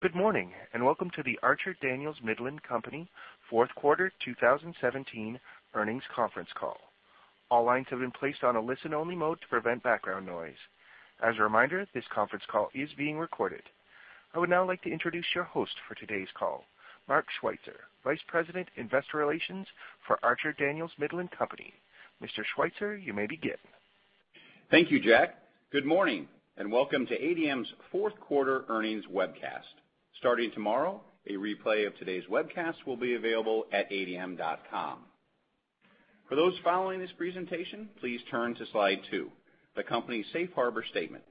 Good morning, and welcome to the Archer Daniels Midland Company fourth quarter 2017 earnings conference call. All lines have been placed on a listen-only mode to prevent background noise. As a reminder, this conference call is being recorded. I would now like to introduce your host for today's call, Mark Schweitzer, Vice President, Investor Relations for Archer Daniels Midland Company. Mr. Schweitzer, you may begin. Thank you, Jack. Good morning, and welcome to ADM's fourth quarter earnings webcast. Starting tomorrow, a replay of today's webcast will be available at adm.com. For those following this presentation, please turn to Slide 2, the company's safe harbor statement,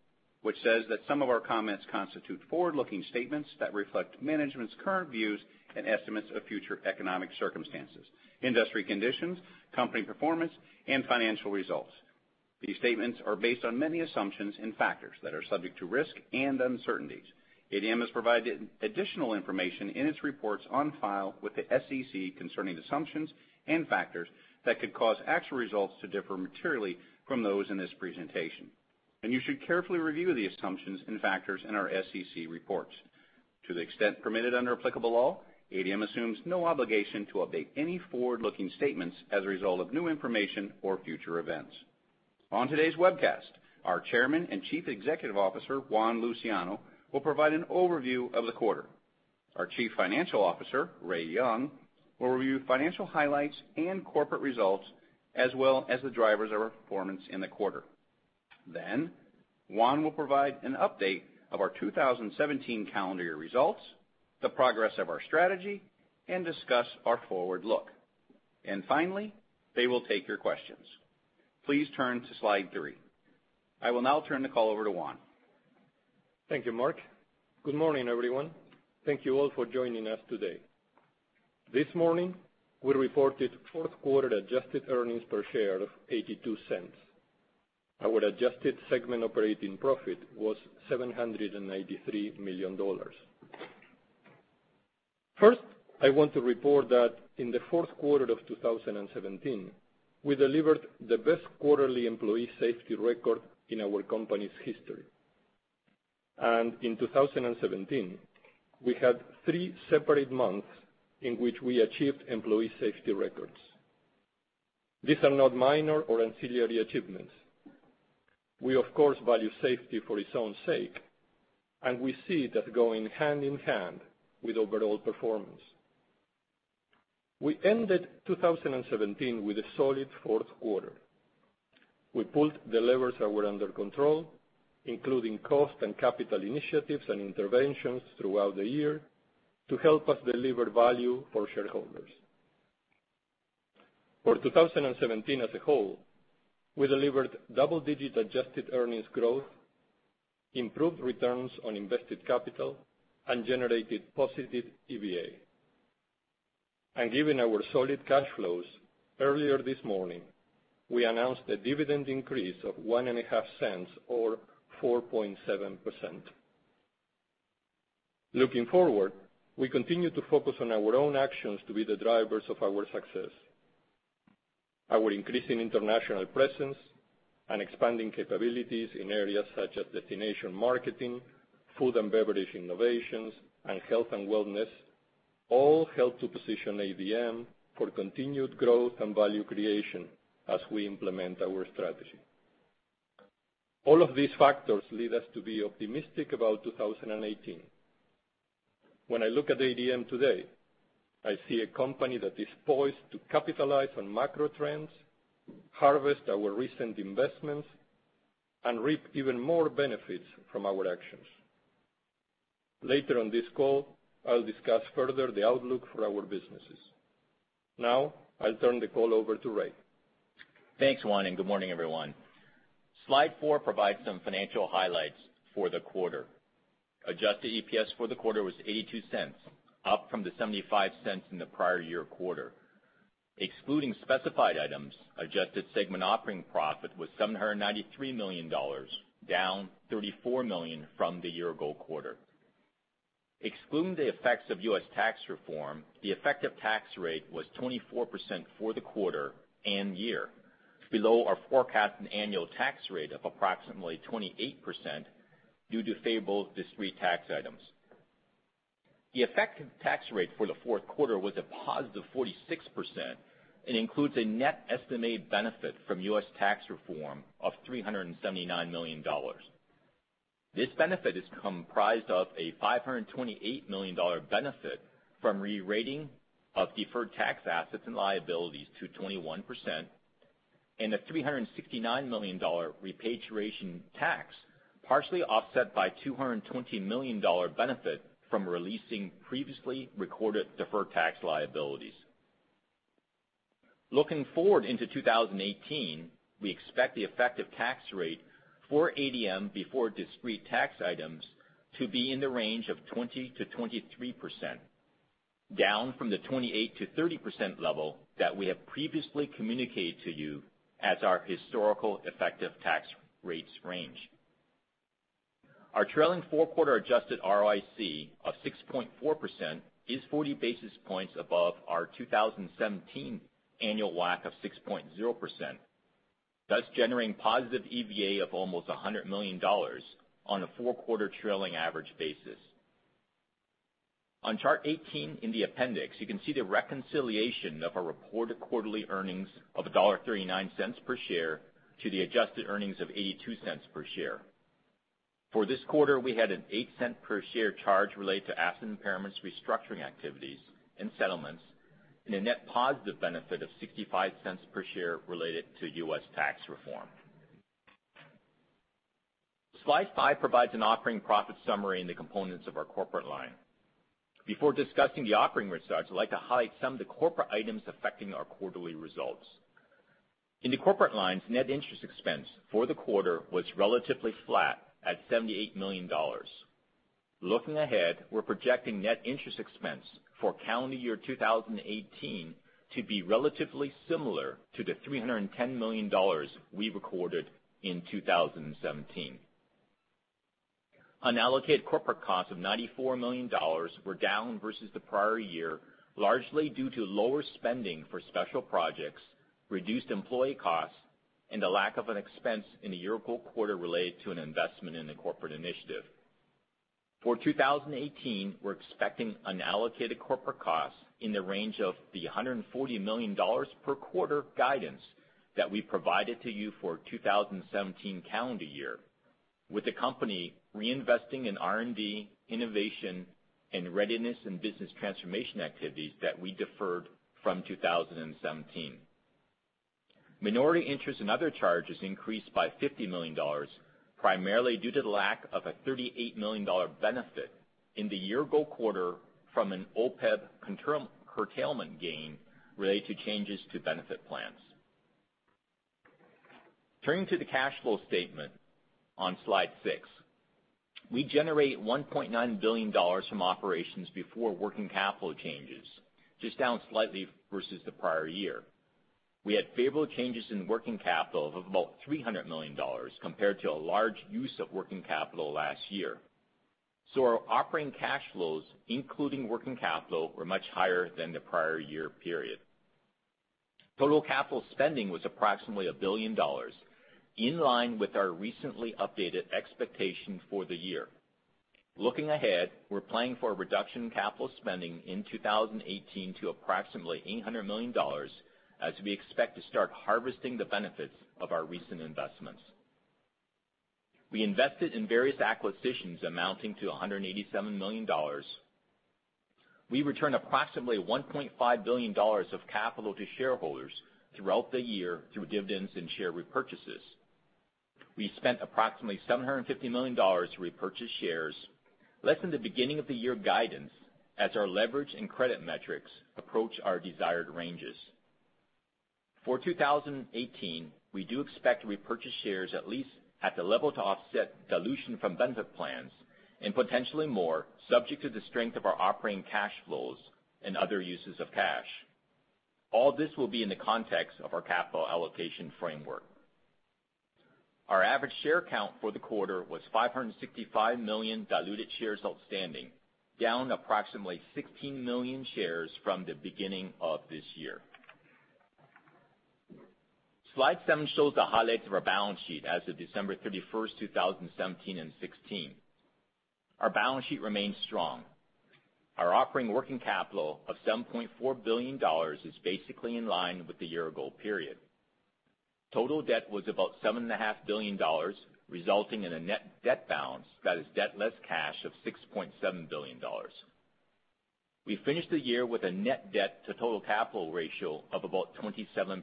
which says that some of our comments constitute forward-looking statements that reflect management's current views and estimates of future economic circumstances, industry conditions, company performance, and financial results. These statements are based on many assumptions and factors that are subject to risk and uncertainties. ADM has provided additional information in its reports on file with the SEC concerning assumptions and factors that could cause actual results to differ materially from those in this presentation. You should carefully review the assumptions and factors in our SEC reports. To the extent permitted under applicable law, ADM assumes no obligation to update any forward-looking statements as a result of new information or future events. On today's webcast, our Chairman and Chief Executive Officer, Juan Luciano, will provide an overview of the quarter. Our Chief Financial Officer, Ray Young, will review financial highlights and corporate results, as well as the drivers of our performance in the quarter. Juan will provide an update of our 2017 calendar year results, the progress of our strategy, and discuss our forward look. Finally, they will take your questions. Please turn to Slide 3. I will now turn the call over to Juan. Thank you, Mark. Good morning, everyone. Thank you all for joining us today. This morning, we reported fourth quarter adjusted earnings per share of $0.82. Our adjusted segment operating profit was $793 million. First, I want to report that in the fourth quarter of 2017, we delivered the best quarterly employee safety record in our company's history. In 2017, we had three separate months in which we achieved employee safety records. These are not minor or ancillary achievements. We of course value safety for its own sake, and we see that going hand-in-hand with overall performance. We ended 2017 with a solid fourth quarter. We pulled the levers that were under control, including cost and capital initiatives and interventions throughout the year, to help us deliver value for shareholders. For 2017 as a whole, we delivered double-digit adjusted earnings growth, improved returns on invested capital, and generated positive EVA. Given our solid cash flows, earlier this morning, we announced a dividend increase of $0.015, or 4.7%. Looking forward, we continue to focus on our own actions to be the drivers of our success. Our increasing international presence and expanding capabilities in areas such as destination marketing, food and beverage innovations, and health and wellness all help to position ADM for continued growth and value creation as we implement our strategy. All of these factors lead us to be optimistic about 2018. When I look at ADM today, I see a company that is poised to capitalize on macro trends, harvest our recent investments, and reap even more benefits from our actions. Later on this call, I'll discuss further the outlook for our businesses. I'll turn the call over to Ray. Thanks, Juan, and good morning, everyone. Slide four provides some financial highlights for the quarter. Adjusted EPS for the quarter was $0.82, up from the $0.75 in the prior year quarter. Excluding specified items, adjusted segment operating profit was $793 million, down $34 million from the year-ago quarter. Excluding the effects of US tax reform, the effective tax rate was 24% for the quarter and year, below our forecast in annual tax rate of approximately 28% due to favorable discrete tax items. The effective tax rate for the fourth quarter was a positive 46% and includes a net estimated benefit from US tax reform of $379 million. This benefit is comprised of a $528 million benefit from rerating of deferred tax assets and liabilities to 21% and a $369 million repatriation tax, partially offset by $220 million benefit from releasing previously recorded deferred tax liabilities. Looking forward into 2018, we expect the effective tax rate for ADM before discrete tax items to be in the range of 20%-23%, down from the 28%-30% level that we have previously communicated to you as our historical effective tax rates range. Our trailing four-quarter adjusted ROIC of 6.4% is 40 basis points above our 2017 annual WACC of 6.0%. Thus generating positive EVA of almost $100 million on a four-quarter trailing average basis. On chart 18 in the appendix, you can see the reconciliation of our reported quarterly earnings of $1.39 per share to the adjusted earnings of $0.82 per share. For this quarter, we had an $0.08 per share charge related to asset impairments, restructuring activities and settlements, and a net positive benefit of $0.65 per share related to US tax reform. Slide five provides an operating profit summary and the components of our corporate line. Before discussing the operating results, I'd like to highlight some of the corporate items affecting our quarterly results. In the corporate lines, net interest expense for the quarter was relatively flat at $78 million. Looking ahead, we're projecting net interest expense for calendar year 2018 to be relatively similar to the $310 million we recorded in 2017. Unallocated corporate costs of $94 million were down versus the prior year, largely due to lower spending for special projects, reduced employee costs, and the lack of an expense in the year-ago quarter related to an investment in the corporate initiative. For 2018, we're expecting unallocated corporate costs in the range of the $140 million per quarter guidance that we provided to you for 2017 calendar year, with the company reinvesting in R&D, innovation, and readiness and business transformation activities that we deferred from 2017. Minority interest and other charges increased by $50 million, primarily due to the lack of a $38 million benefit in the year-ago quarter from an OPEB curtailment gain related to changes to benefit plans. Turning to the cash flow statement on Slide six. We generate $1.9 billion from operations before working capital changes, just down slightly versus the prior year. We had favorable changes in working capital of about $300 million compared to a large use of working capital last year. Our operating cash flows, including working capital, were much higher than the prior year period. Total capital spending was approximately $1 billion, in line with our recently updated expectation for the year. Looking ahead, we're planning for a reduction in capital spending in 2018 to approximately $800 million, as we expect to start harvesting the benefits of our recent investments. We invested in various acquisitions amounting to $187 million. We returned approximately $1.5 billion of capital to shareholders throughout the year through dividends and share repurchases. We spent approximately $750 million to repurchase shares, less than the beginning of the year guidance, as our leverage and credit metrics approach our desired ranges. For 2018, we do expect to repurchase shares at least at the level to offset dilution from benefit plans, and potentially more, subject to the strength of our operating cash flows and other uses of cash. All this will be in the context of our capital allocation framework. Our average share count for the quarter was 565 million diluted shares outstanding, down approximately 16 million shares from the beginning of this year. Slide seven shows the highlights of our balance sheet as of December 31, 2017 and 2016. Our balance sheet remains strong. Our operating working capital of $7.4 billion is basically in line with the year-ago period. Total debt was about $7.5 billion, resulting in a net debt balance, that is debt less cash, of $6.7 billion. We finished the year with a net debt to total capital ratio of about 27%,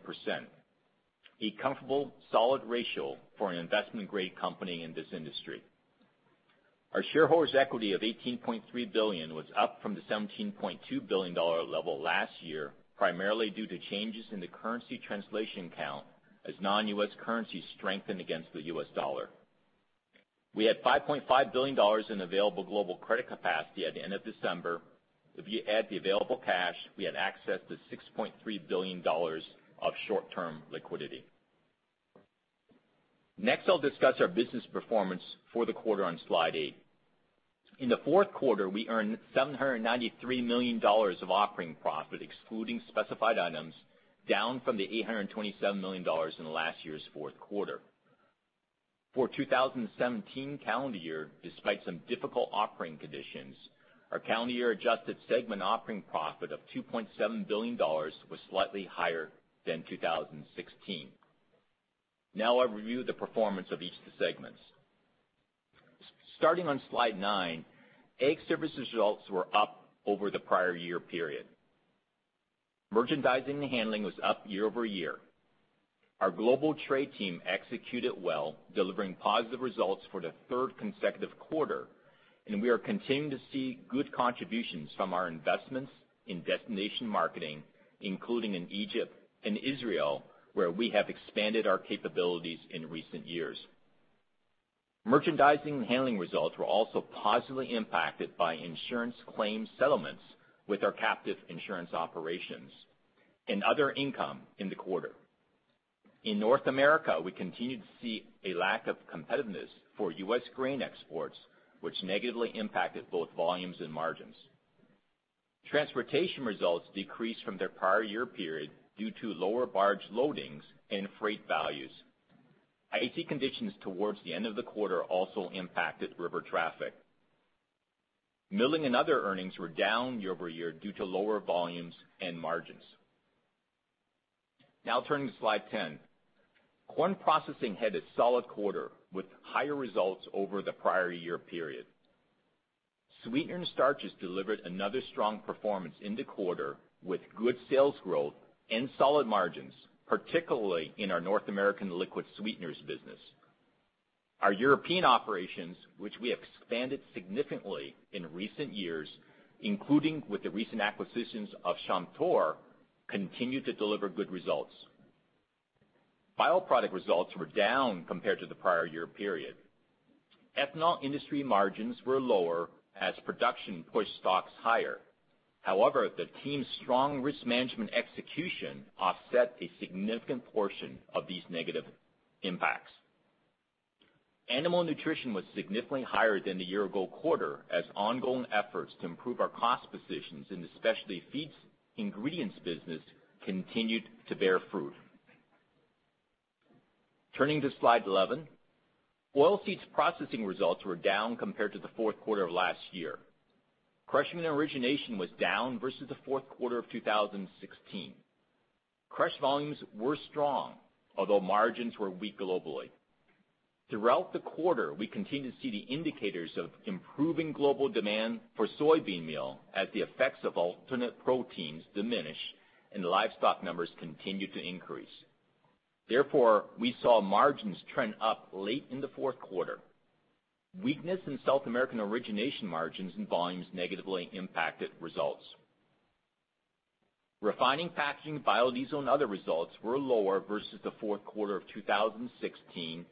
a comfortable, solid ratio for an investment-grade company in this industry. Our shareholders' equity of $18.3 billion was up from the $17.2 billion level last year, primarily due to changes in the currency translation count as non-U.S. currencies strengthened against the U.S. dollar. We had $5.5 billion in available global credit capacity at the end of December. If you add the available cash, we had access to $6.3 billion of short-term liquidity. I'll discuss our business performance for the quarter on slide eight. In the fourth quarter, we earned $793 million of operating profit, excluding specified items, down from the $827 million in last year's fourth quarter. For 2017 calendar year, despite some difficult operating conditions, our calendar year-adjusted segment operating profit of $2.7 billion was slightly higher than 2016. I'll review the performance of each of the segments. Starting on slide nine, Ag Services results were up over the prior year period. Merchandising and Handling was up year-over-year. Our global trade team executed well, delivering positive results for the third consecutive quarter. We are continuing to see good contributions from our investments in destination marketing, including in Egypt and Israel, where we have expanded our capabilities in recent years. Merchandising and Handling results were also positively impacted by insurance claim settlements with our captive insurance operations and other income in the quarter. In North America, we continued to see a lack of competitiveness for U.S. grain exports, which negatively impacted both volumes and margins. Transportation results decreased from their prior year period due to lower barge loadings and freight values. Ice conditions towards the end of the quarter also impacted river traffic. Milling and other earnings were down year-over-year due to lower volumes and margins. Turning to slide 10. Corn processing had a solid quarter with higher results over the prior year period. Sweetener and starches delivered another strong performance in the quarter, with good sales growth and solid margins, particularly in our North American liquid sweeteners business. Our European operations, which we expanded significantly in recent years, including with the recent acquisitions of Chamtor, continue to deliver good results. Bioproduct results were down compared to the prior year period. Ethanol industry margins were lower as production pushed stocks higher. The team's strong risk management execution offset a significant portion of these negative impacts. Animal nutrition was significantly higher than the year-ago quarter as ongoing efforts to improve our cost positions in the specialty feeds ingredients business continued to bear fruit. Turning to slide 11. Oilseeds processing results were down compared to the fourth quarter of last year. Crushing and origination was down versus the fourth quarter of 2016. Crush volumes were strong, although margins were weak globally. Throughout the quarter, we continue to see the indicators of improving global demand for soybean meal as the effects of alternate proteins diminish and livestock numbers continue to increase. We saw margins trend up late in the fourth quarter. Weakness in South American origination margins and volumes negatively impacted results. Refining, packaging, biodiesel and other results were lower versus the fourth quarter of 2016,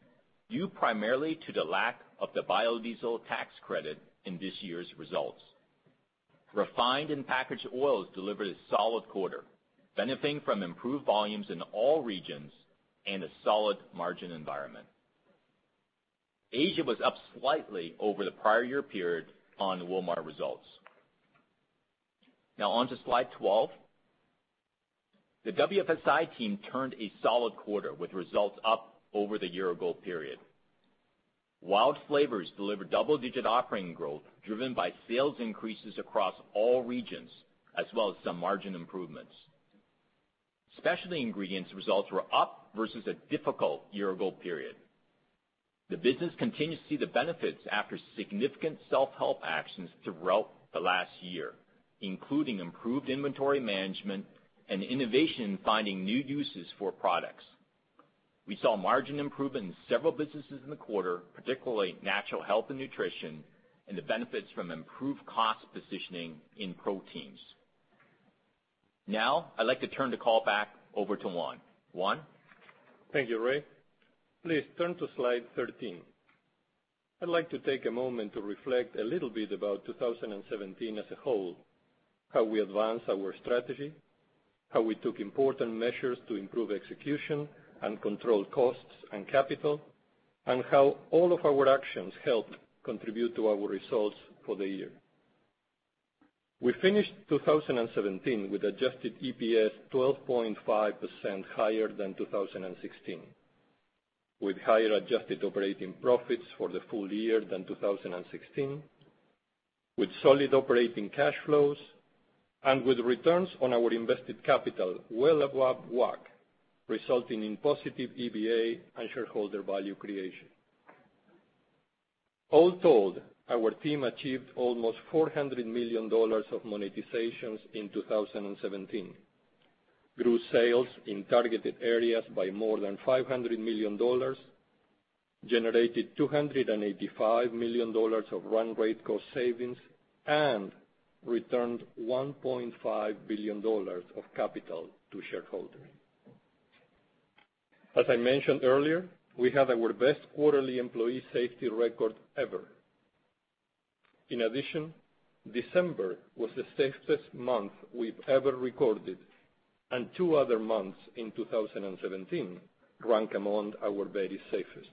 due primarily to the lack of the biodiesel tax credit in this year's results. Refined and packaged oils delivered a solid quarter, benefiting from improved volumes in all regions and a solid margin environment. Asia was up slightly over the prior year period on the Wilmar results. On to slide 12. The WFSI team turned a solid quarter with results up over the year-ago period. WILD Flavors delivered double-digit operating growth driven by sales increases across all regions, as well as some margin improvements. Specialty ingredients results were up versus a difficult year-ago period. The business continues to see the benefits after significant self-help actions throughout the last year, including improved inventory management and innovation in finding new uses for products. We saw margin improvement in several businesses in the quarter, particularly natural health and nutrition, and the benefits from improved cost positioning in proteins. Now, I'd like to turn the call back over to Juan. Juan? Thank you, Ray. Please turn to slide 13. I'd like to take a moment to reflect a little bit about 2017 as a whole, how we advanced our strategy, how we took important measures to improve execution and control costs and capital, and how all of our actions helped contribute to our results for the year. We finished 2017 with adjusted EPS 12.5% higher than 2016, with higher adjusted operating profits for the full year than 2016, with solid operating cash flows, and with returns on our invested capital well above WACC, resulting in positive EVA and shareholder value creation. All told, our team achieved almost $400 million of monetizations in 2017, grew sales in targeted areas by more than $500 million, generated $285 million of run rate cost savings, and returned $1.5 billion of capital to shareholders. As I mentioned earlier, we had our best quarterly employee safety record ever. In addition, December was the safest month we've ever recorded, and two other months in 2017 rank among our very safest.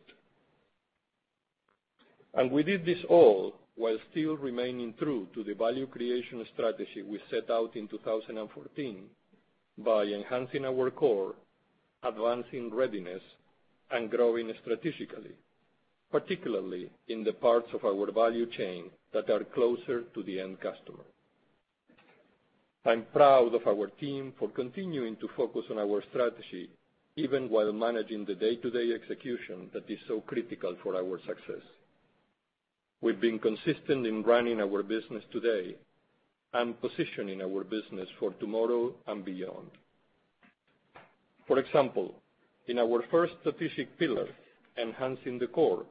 We did this all while still remaining true to the value creation strategy we set out in 2014 by enhancing our core, advancing readiness, and growing strategically, particularly in the parts of our value chain that are closer to the end customer. I'm proud of our team for continuing to focus on our strategy, even while managing the day-to-day execution that is so critical for our success. We've been consistent in running our business today and positioning our business for tomorrow and beyond. For example, in our first strategic pillar, enhancing the core,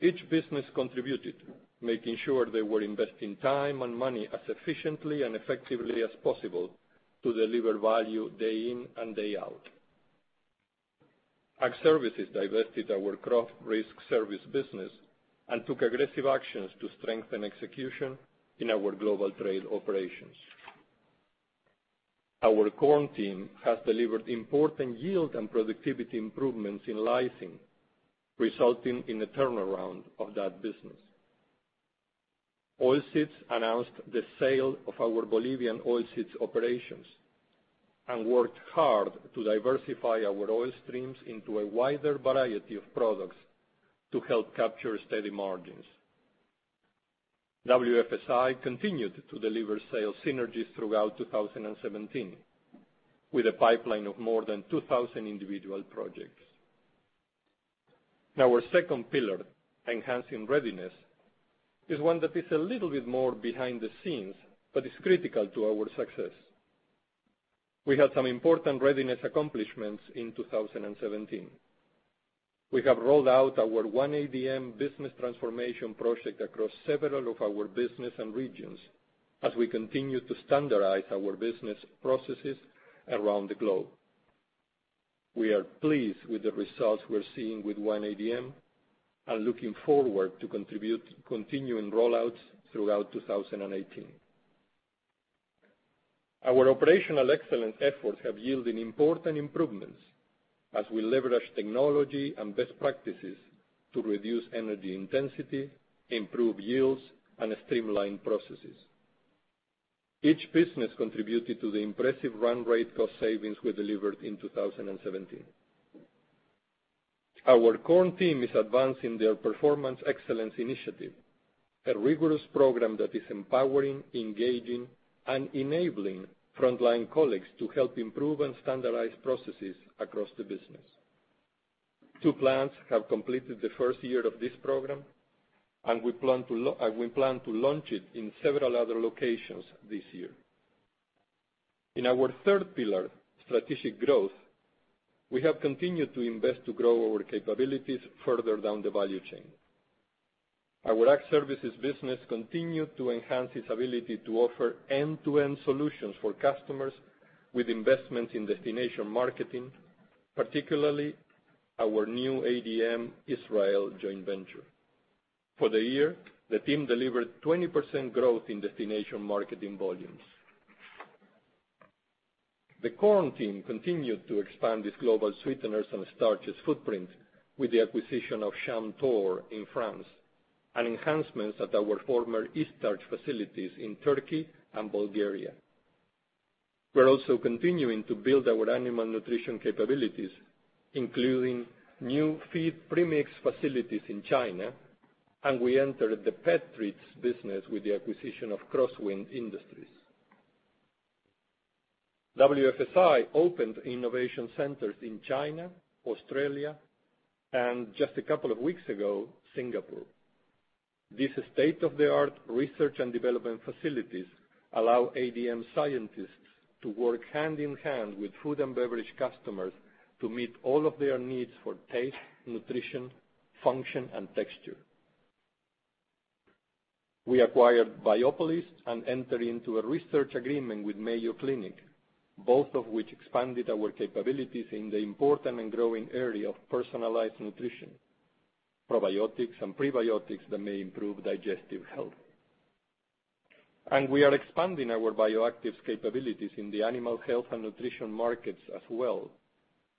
each business contributed, making sure they were investing time and money as efficiently and effectively as possible to deliver value day in and day out. Ag Services divested our Crop Risk Services business and took aggressive actions to strengthen execution in our global trade operations. Our corn team has delivered important yield and productivity improvements in lysine, resulting in a turnaround of that business. Oilseeds announced the sale of our Bolivian oilseeds operations and worked hard to diversify our oil streams into a wider variety of products to help capture steady margins. WFSI continued to deliver sales synergies throughout 2017, with a pipeline of more than 2,000 individual projects. Now, our second pillar, enhancing readiness, is one that is a little bit more behind the scenes, but is critical to our success. We had some important readiness accomplishments in 2017. We have rolled out our One ADM business transformation project across several of our business and regions, as we continue to standardize our business processes around the globe. We are pleased with the results we're seeing with One ADM and looking forward to continuing rollouts throughout 2018. Our operational excellence efforts have yielded important improvements as we leverage technology and best practices to reduce energy intensity, improve yields, and streamline processes. Each business contributed to the impressive run rate cost savings we delivered in 2017. Our corn team is advancing their performance excellence initiative, a rigorous program that is empowering, engaging, and enabling frontline colleagues to help improve and standardize processes across the business. Two plants have completed the first year of this program, and we plan to launch it in several other locations this year. In our third pillar, strategic growth, we have continued to invest to grow our capabilities further down the value chain. Our Ag Services business continued to enhance its ability to offer end-to-end solutions for customers with investments in destination marketing, particularly our new ADM Israel joint venture. For the year, the team delivered 20% growth in destination marketing volumes. The corn team continued to expand its global sweeteners and starches footprint with the acquisition of Chamtor in France, and enhancements at our former Eaststarch facilities in Turkey and Bulgaria. We're also continuing to build our animal nutrition capabilities, including new feed premix facilities in China, and we entered the pet treats business with the acquisition of Crosswind Industries. WFSI opened innovation centers in China, Australia, and just a couple of weeks ago, Singapore. These state-of-the-art research and development facilities allow ADM scientists to work hand-in-hand with food and beverage customers to meet all of their needs for taste, nutrition, function, and texture. We acquired Biopolis and entered into a research agreement with Mayo Clinic, both of which expanded our capabilities in the important and growing area of personalized nutrition, probiotics and prebiotics that may improve digestive health. We are expanding our bioactives capabilities in the animal health and nutrition markets as well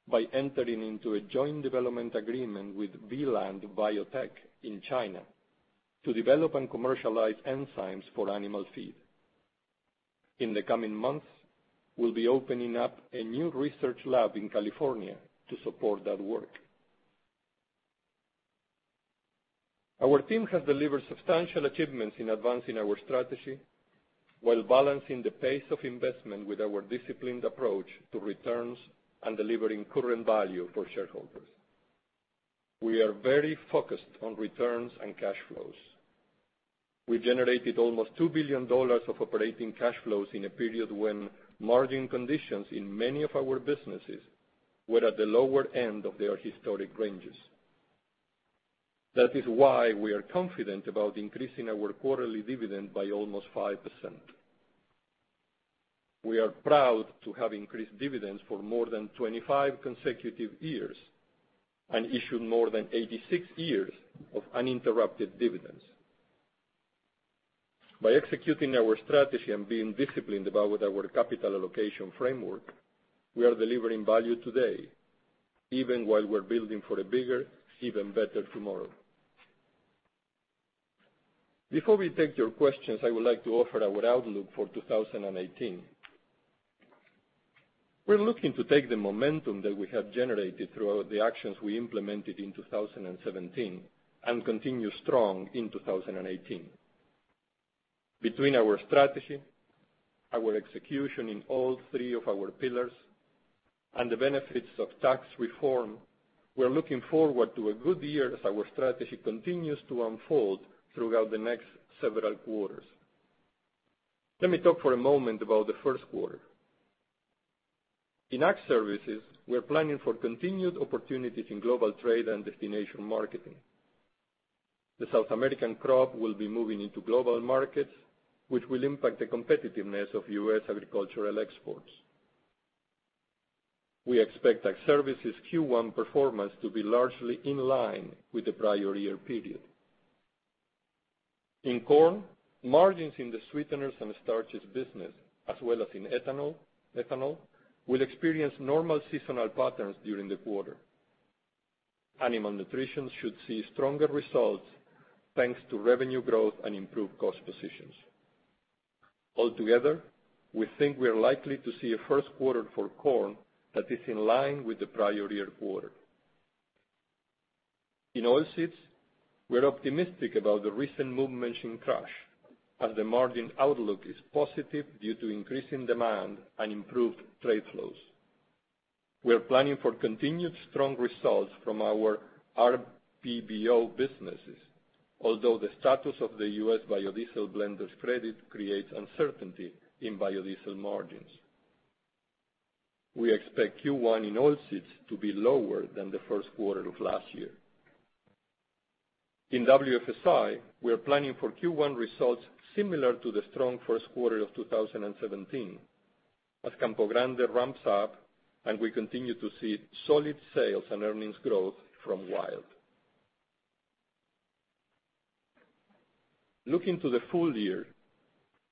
by entering into a joint development agreement with Vland Biotech in China to develop and commercialize enzymes for animal feed. In the coming months, we'll be opening up a new research lab in California to support that work. Our team has delivered substantial achievements in advancing our strategy while balancing the pace of investment with our disciplined approach to returns and delivering current value for shareholders. We are very focused on returns and cash flows. We generated almost $2 billion of operating cash flows in a period when margin conditions in many of our businesses were at the lower end of their historic ranges. That is why we are confident about increasing our quarterly dividend by almost 5%. We are proud to have increased dividends for more than 25 consecutive years and issued more than 86 years of uninterrupted dividends. By executing our strategy and being disciplined about our capital allocation framework, we are delivering value today, even while we're building for a bigger, even better tomorrow. Before we take your questions, I would like to offer our outlook for 2018. We're looking to take the momentum that we have generated throughout the actions we implemented in 2017 and continue strong in 2018. Between our strategy, our execution in all three of our pillars, and the benefits of U.S. tax reform, we're looking forward to a good year as our strategy continues to unfold throughout the next several quarters. Let me talk for a moment about the first quarter. In Ag Services, we're planning for continued opportunities in global trade and destination marketing. The South American crop will be moving into global markets, which will impact the competitiveness of U.S. agricultural exports. We expect Ag Services' Q1 performance to be largely in line with the prior year period. In corn, margins in the sweeteners and starches business, as well as in ethanol, will experience normal seasonal patterns during the quarter. Animal nutrition should see stronger results thanks to revenue growth and improved cost positions. Altogether, we think we are likely to see a first quarter for corn that is in line with the prior year quarter. In oilseeds, we're optimistic about the recent movements in crush, as the margin outlook is positive due to increasing demand and improved trade flows. We are planning for continued strong results from our RPBO businesses, although the status of the U.S. biodiesel blender's credit creates uncertainty in biodiesel margins. We expect Q1 in oilseeds to be lower than the first quarter of last year. In WFSI, we are planning for Q1 results similar to the strong first quarter of 2017, as Campo Grande ramps up and we continue to see solid sales and earnings growth from WILD. Looking to the full year,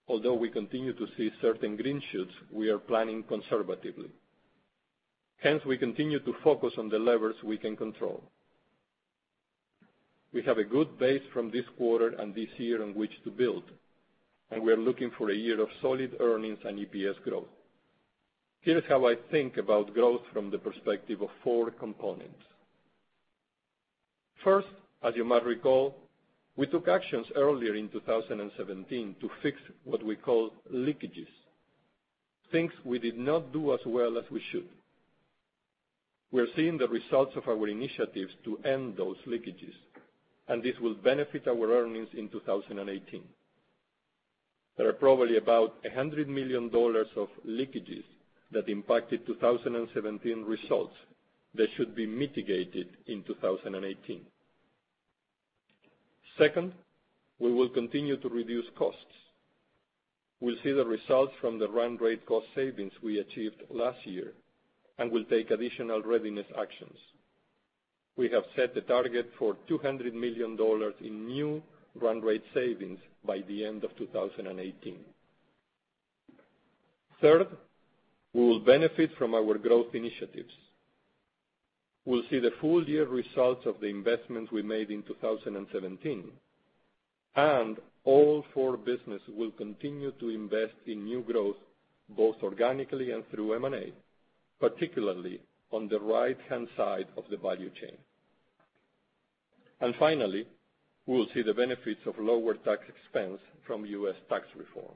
although we continue to see certain green shoots, we are planning conservatively. Hence, we continue to focus on the levers we can control. We have a good base from this quarter and this year on which to build. We are looking for a year of solid earnings and EPS growth. Here's how I think about growth from the perspective of four components. First, as you might recall, we took actions earlier in 2017 to fix what we call leakages, things we did not do as well as we should. We are seeing the results of our initiatives to end those leakages. This will benefit our earnings in 2018. There are probably about $100 million of leakages that impacted 2017 results that should be mitigated in 2018. Second, we will continue to reduce costs. We'll see the results from the run rate cost savings we achieved last year and will take additional readiness actions. We have set the target for $200 million in new run rate savings by the end of 2018. Third, we will benefit from our growth initiatives. We'll see the full-year results of the investments we made in 2017. All four businesses will continue to invest in new growth, both organically and through M&A, particularly on the right-hand side of the value chain. Finally, we will see the benefits of lower tax expense from U.S. tax reform.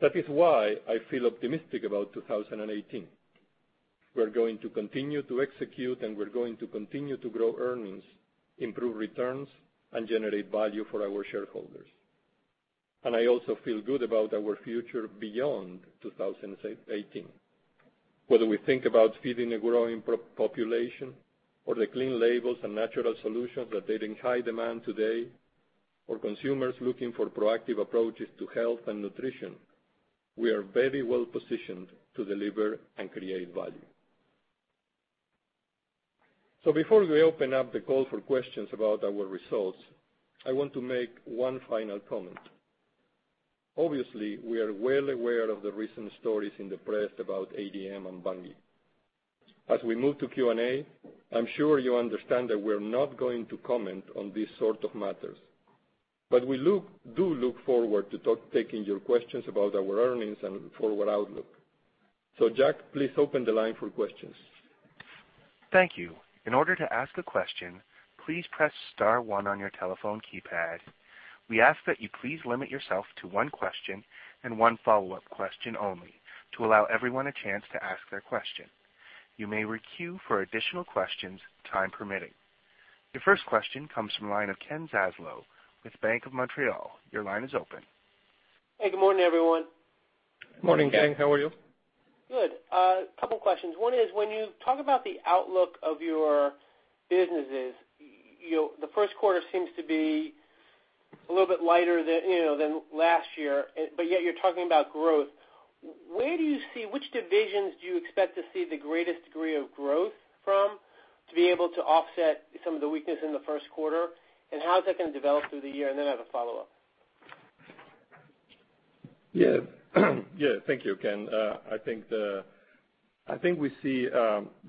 That is why I feel optimistic about 2018. We're going to continue to execute. We're going to continue to grow earnings, improve returns, and generate value for our shareholders. I also feel good about our future beyond 2018. Whether we think about feeding a growing population or the clean labels and natural solutions that are in high demand today, or consumers looking for proactive approaches to health and nutrition, we are very well positioned to deliver and create value. Before we open up the call for questions about our results, I want to make one final comment. Obviously, we are well aware of the recent stories in the press about ADM and Bunge. As we move to Q&A, I'm sure you understand that we're not going to comment on these sort of matters, we do look forward to taking your questions about our earnings and forward outlook. Jack, please open the line for questions. Thank you. In order to ask a question, please press *1 on your telephone keypad. We ask that you please limit yourself to one question and one follow-up question only, to allow everyone a chance to ask their question. You may re-queue for additional questions, time permitting. Your first question comes from the line of Ken Zaslow with Bank of Montreal. Your line is open. Hey, good morning, everyone. Morning, Ken. How are you? Good. A couple of questions. One is, when you talk about the outlook of your businesses, the first quarter seems to be a little bit lighter than last year, but yet you're talking about growth. Which divisions do you expect to see the greatest degree of growth from to be able to offset some of the weakness in the first quarter? How is that going to develop through the year? I have a follow-up. Yeah. Thank you, Ken. I think we see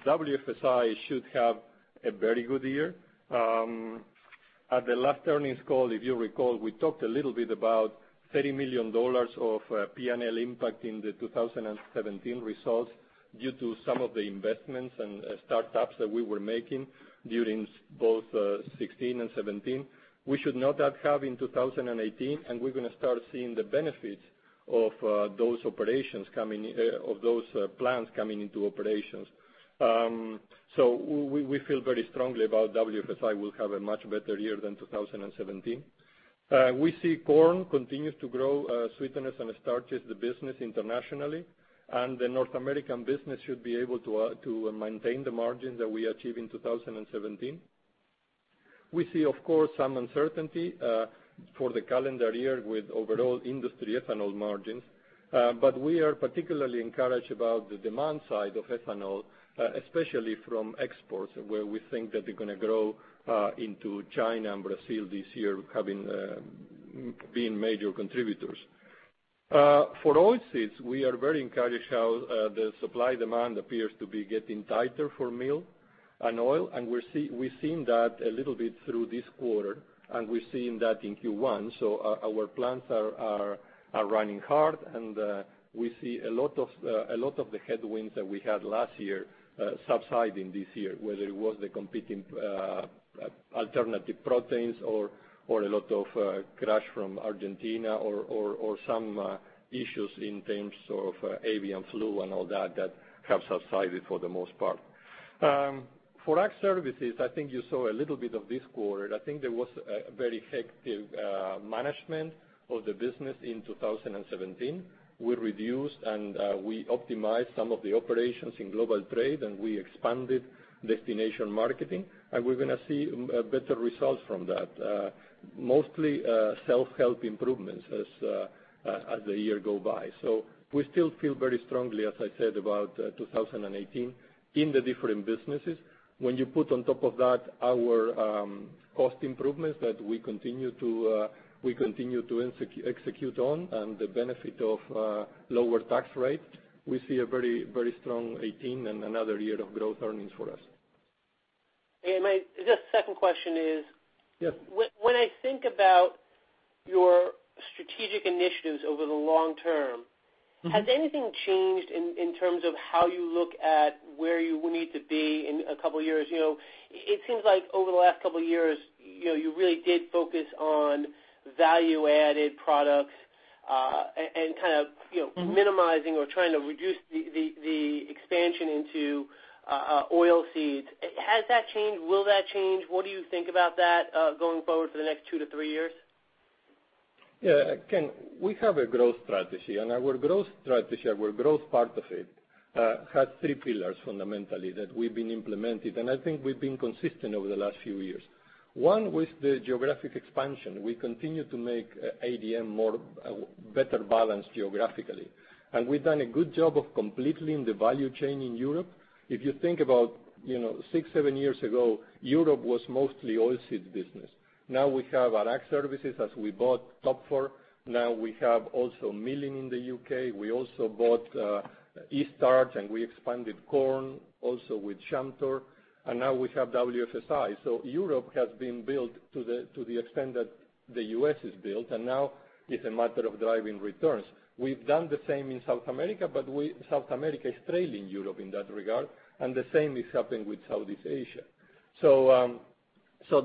WFSI should have a very good year. At the last earnings call, if you recall, we talked a little bit about $30 million of P&L impact in the 2017 results due to some of the investments and startups that we were making during both 2016 and 2017. We should not have that in 2018, and we're going to start seeing the benefits of those plans coming into operations. We feel very strongly about WFSI will have a much better year than 2017. We see corn continue to grow sweeteners and starches, the business internationally, and the North American business should be able to maintain the margin that we achieved in 2017. We see, of course, some uncertainty for the calendar year with overall industry ethanol margins. We are particularly encouraged about the demand side of ethanol, especially from exports, where we think that they're going to grow into China and Brazil this year, having been major contributors. For oilseeds, we are very encouraged how the supply-demand appears to be getting tighter for meal and oil, and we're seeing that a little bit through this quarter, and we're seeing that in Q1. Our plants are running hard, and we see a lot of the headwinds that we had last year subsiding this year, whether it was the competing alternative proteins or a lot of crush from Argentina or some issues in terms of avian flu and all that have subsided for the most part. For Ag Services, I think you saw a little bit of this quarter. I think there was a very effective management of the business in 2017. We reduced and we optimized some of the operations in global trade, and we expanded destination marketing, and we're going to see better results from that. Mostly self-help improvements as the year go by. We still feel very strongly, as I said, about 2018 in the different businesses. When you put on top of that our cost improvements that we continue to execute on and the benefit of lower tax rate, we see a very strong 2018 and another year of growth earnings for us. My just second question is. Yes. When I think about your strategic initiatives over the long term. Has anything changed in terms of how you look at where you will need to be in a couple of years? It seems like over the last couple of years, you really did focus on value-added products and kind of. minimizing or trying to reduce the expansion into oilseeds. Has that changed? Will that change? What do you think about that going forward for the next two to three years? Ken, we have a growth strategy, our growth part of it, has three pillars fundamentally that we've been implementing. I think we've been consistent over the last few years. One was the geographic expansion. We continue to make ADM better balanced geographically. We've done a good job of completing the value chain in Europe. If you think about six, seven years ago, Europe was mostly oilseed business. Now we have Ag Services as we bought Toepfer. Now we have also milling in the U.K. We also bought Eaststarch, and we expanded corn also with Chamtor, and now we have WFSI. Europe has been built to the extent that the U.S. is built, and now it's a matter of driving returns. We've done the same in South America, South America is trailing Europe in that regard, and the same is happening with Southeast Asia.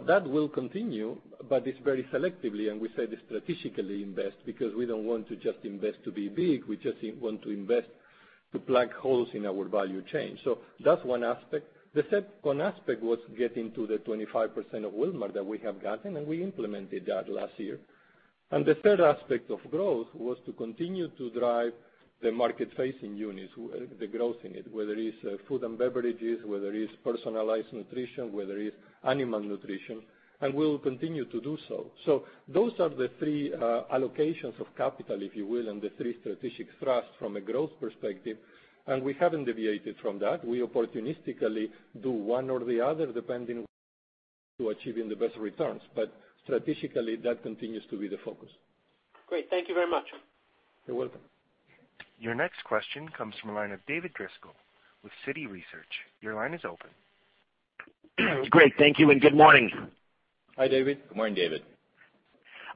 That will continue, but it's very selectively, we say the strategically invest because we don't want to just invest to be big. We just want to invest to plug holes in our value chain. That's one aspect. The second aspect was getting to the 25% of Wilmar that we have gotten, we implemented that last year. The third aspect of growth was to continue to drive the market-facing units, the growth in it, whether it's food and beverages, whether it's personalized nutrition, whether it's animal nutrition, we will continue to do so. Those are the three allocations of capital, if you will, the three strategic thrust from a growth perspective, we haven't deviated from that. We opportunistically do one or the other depending to achieving the best returns. Strategically, that continues to be the focus. Great. Thank you very much. You're welcome. Your next question comes from the line of David Driscoll with Citi Research. Your line is open. Great. Thank you. Good morning. Hi, David. Good morning, David.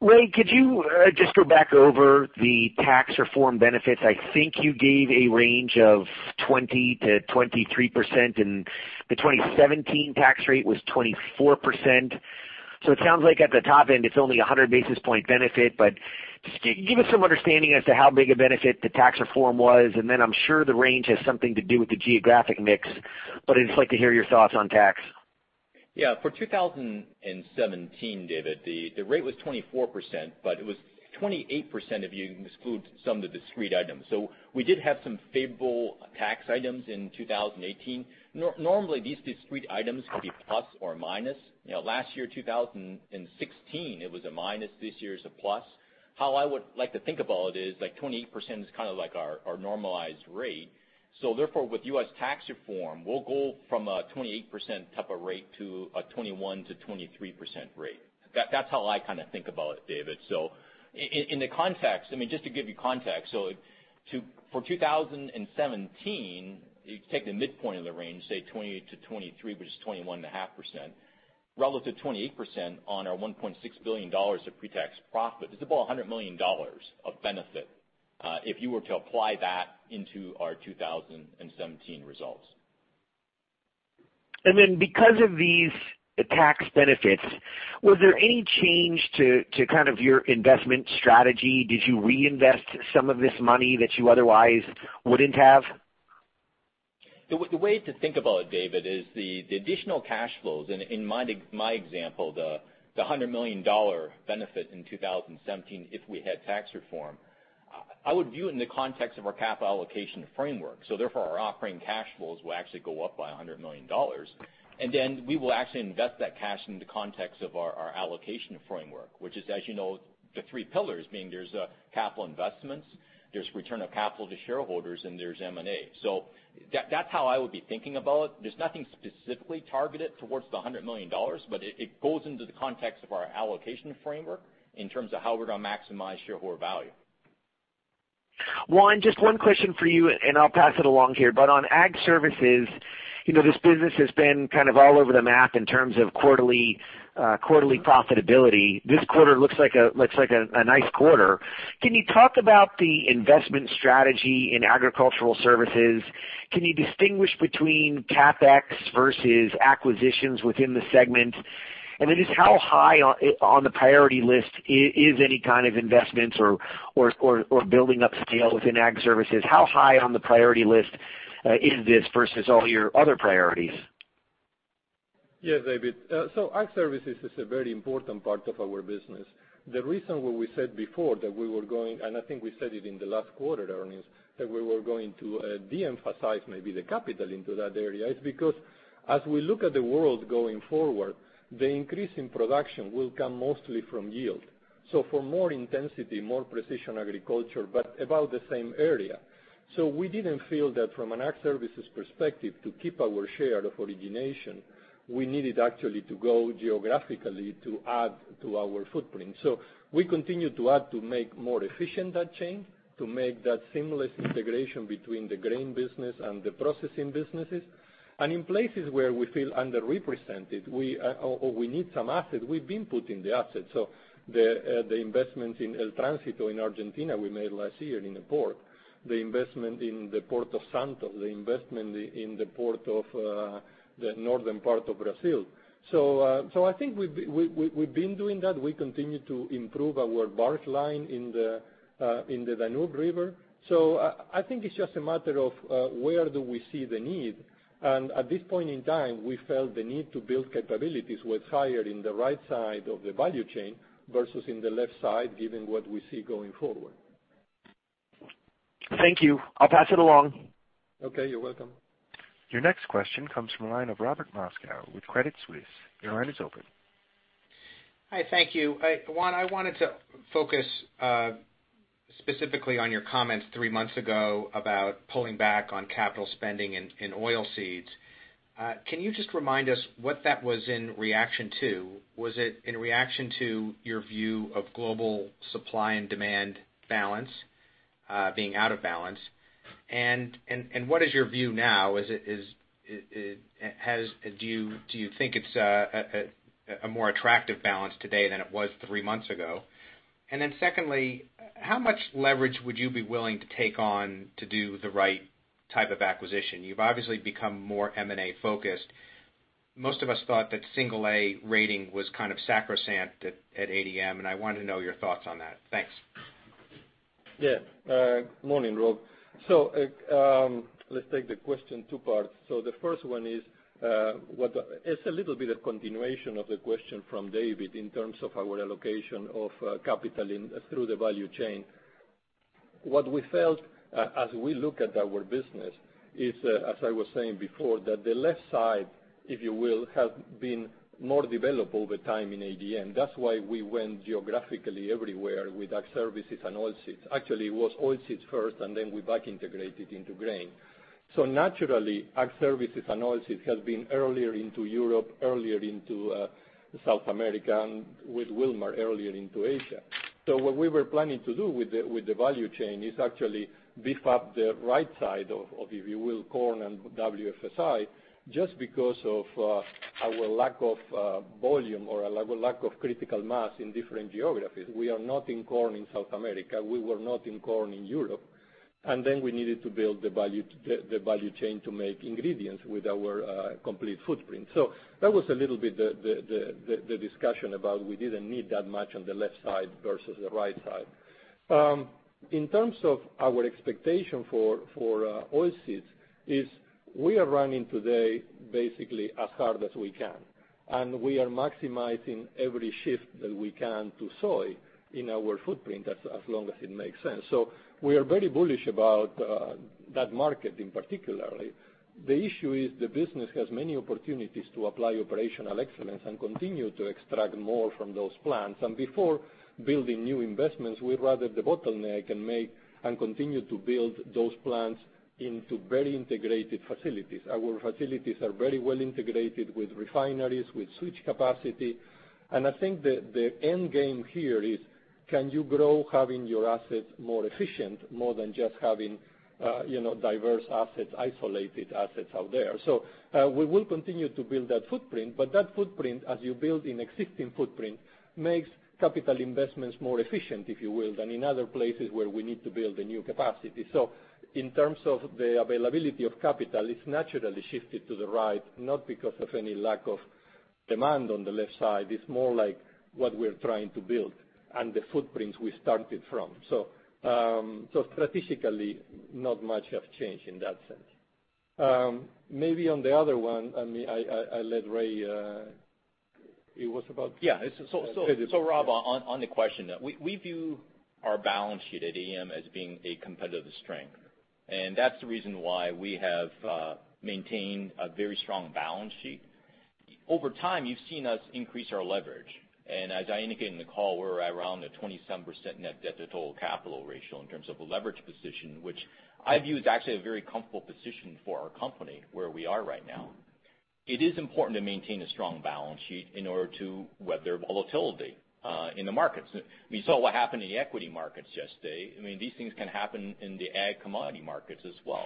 Ray, could you just go back over the tax reform benefits? I think you gave a range of 20%-23%, and the 2017 tax rate was 24%. It sounds like at the top end, it's only 100 basis point benefit, just give us some understanding as to how big a benefit the tax reform was. I'm sure the range has something to do with the geographic mix, but I'd just like to hear your thoughts on tax. For 2017, David, the rate was 24%, it was 28% if you exclude some of the discrete items. We did have some favorable tax items in 2018. Normally, these discrete items could be plus or minus. Last year, 2016, it was a minus. This year it's a plus. How I would like to think about it is like 28% is kind of like our normalized rate. Therefore, with US tax reform, we'll go from a 28% type of rate to a 21%-23% rate. That's how I kind of think about it, David. In the context, just to give you context, for 2017, if you take the midpoint of the range, say 28%-23%, which is 21.5%, relative 28% on our $1.6 billion of pre-tax profit, it's about $100 million of benefit if you were to apply that into our 2017 results. Because of these tax benefits, was there any change to kind of your investment strategy? Did you reinvest some of this money that you otherwise wouldn't have? David, the way to think about it is the additional cash flows, in my example, the $100 million benefit in 2017 if we had tax reform I would view it in the context of our capital allocation framework. Therefore, our operating cash flows will actually go up by $100 million. Then we will actually invest that cash in the context of our allocation framework, which is, as you know, the three pillars, meaning there's capital investments, there's return of capital to shareholders, and there's M&A. That's how I would be thinking about it. There's nothing specifically targeted towards the $100 million, but it goes into the context of our allocation framework in terms of how we're going to maximize shareholder value. Juan, just one question for you, and I'll pass it along here. On Ag Services, this business has been kind of all over the map in terms of quarterly profitability. This quarter looks like a nice quarter. Can you talk about the investment strategy in agricultural services? Can you distinguish between CapEx versus acquisitions within the segment? Then just how high on the priority list is any kind of investments or building up scale within Ag Services? How high on the priority list is this versus all your other priorities? Yes, David. Ag Services is a very important part of our business. The reason why we said before, and I think we said it in the last quarter earnings, that we were going to de-emphasize maybe the capital into that area is because as we look at the world going forward, the increase in production will come mostly from yield. For more intensity, more precision agriculture, but about the same area. We didn't feel that from an Ag Services perspective, to keep our share of origination, we needed actually to go geographically to add to our footprint. We continue to add to make more efficient that chain, to make that seamless integration between the grain business and the processing businesses. In places where we feel underrepresented or we need some assets, we've been putting the assets. The investment in El Tránsito in Argentina we made last year in the port, the investment in the Port of Santos, the investment in the port of the northern part of Brazil. I think we've been doing that. We continue to improve our barge line in the Danube River. I think it's just a matter of where do we see the need. At this point in time, we felt the need to build capabilities was higher in the right side of the value chain versus in the left side, given what we see going forward. Thank you. I'll pass it along. Okay, you're welcome. Your next question comes from the line of Robert Moskow with Credit Suisse. Your line is open. Hi, thank you. Juan, I wanted to focus specifically on your comments three months ago about pulling back on capital spending in oilseeds. Can you just remind us what that was in reaction to? Was it in reaction to your view of global supply and demand balance being out of balance? What is your view now? Do you think it's a more attractive balance today than it was three months ago? Secondly, how much leverage would you be willing to take on to do the right type of acquisition? You've obviously become more M&A focused. Most of us thought that single A rating was kind of sacrosanct at ADM, and I wanted to know your thoughts on that. Thanks. Yeah. Morning, Rob. Let's take the question two parts. The first one is, it's a little bit of continuation of the question from David in terms of our allocation of capital through the value chain. What we felt as we look at our business is, as I was saying before, that the left side, if you will, has been more developed over time in ADM. That's why we went geographically everywhere with Ag Services and oilseeds. Actually, it was oilseeds first, and then we back integrated into grain. Naturally, Ag Services and oilseeds have been earlier into Europe, earlier into South America, and with Wilmar, earlier into Asia. What we were planning to do with the value chain is actually beef up the right side of, if you will, corn and WFSI, just because of our lack of volume or our lack of critical mass in different geographies. We are not in corn in South America. We were not in corn in Europe. We needed to build the value chain to make ingredients with our complete footprint. That was a little bit the discussion about we didn't need that much on the left side versus the right side. In terms of our expectation for oilseeds is we are running today basically as hard as we can, and we are maximizing every shift that we can to soy in our footprint as long as it makes sense. We are very bullish about that market in particular. The issue is the business has many opportunities to apply operational excellence and continue to extract more from those plants. Before building new investments, we'd rather the bottleneck and continue to build those plants into very integrated facilities. Our facilities are very well integrated with refineries, with switch capacity. I think the end game here is can you grow having your assets more efficient, more than just having diverse assets, isolated assets out there. We will continue to build that footprint, but that footprint, as you build an existing footprint, makes capital investments more efficient, if you will, than in other places where we need to build a new capacity. In terms of the availability of capital, it's naturally shifted to the right, not because of any lack of demand on the left side. It's more like what we're trying to build and the footprints we started from. Strategically, not much has changed in that sense. Maybe on the other one, I'll let Ray It was about- Yeah. It's a Rob, on the question, we view our balance sheet at ADM as being a competitive strength. That's the reason why we have maintained a very strong balance sheet. Over time, you've seen us increase our leverage. As I indicated in the call, we're around the 27% net debt to total capital ratio in terms of a leverage position, which I view is actually a very comfortable position for our company where we are right now. It is important to maintain a strong balance sheet in order to weather volatility in the markets. We saw what happened in the equity markets yesterday. These things can happen in the ag commodity markets as well.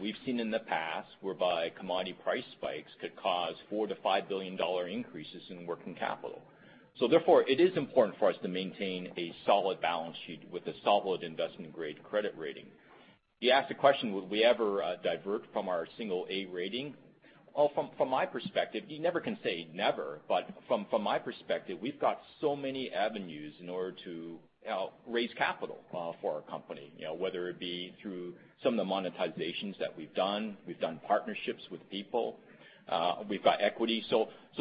We've seen in the past whereby commodity price spikes could cause $4 billion-$5 billion increases in working capital. Therefore, it is important for us to maintain a solid balance sheet with a solid investment-grade credit rating. You asked a question, would we ever divert from our single A rating? From my perspective, you never can say never, but from my perspective, we've got so many avenues in order to raise capital for our company. Whether it be through some of the monetizations that we've done, we've done partnerships with people, we've got equity.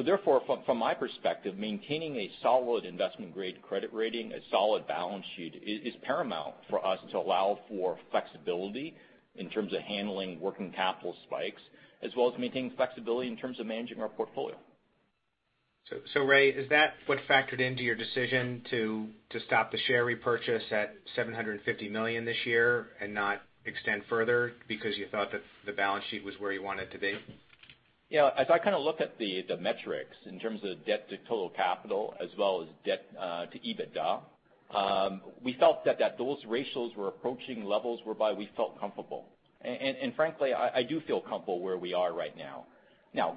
Therefore, from my perspective, maintaining a solid investment-grade credit rating, a solid balance sheet, is paramount for us to allow for flexibility in terms of handling working capital spikes, as well as maintaining flexibility in terms of managing our portfolio. Ray, is that what factored into your decision to stop the share repurchase at $750 million this year and not extend further because you thought that the balance sheet was where you wanted to be? Yeah. As I look at the metrics in terms of debt to total capital as well as debt to EBITDA, we felt that those ratios were approaching levels whereby we felt comfortable. Frankly, I do feel comfortable where we are right now.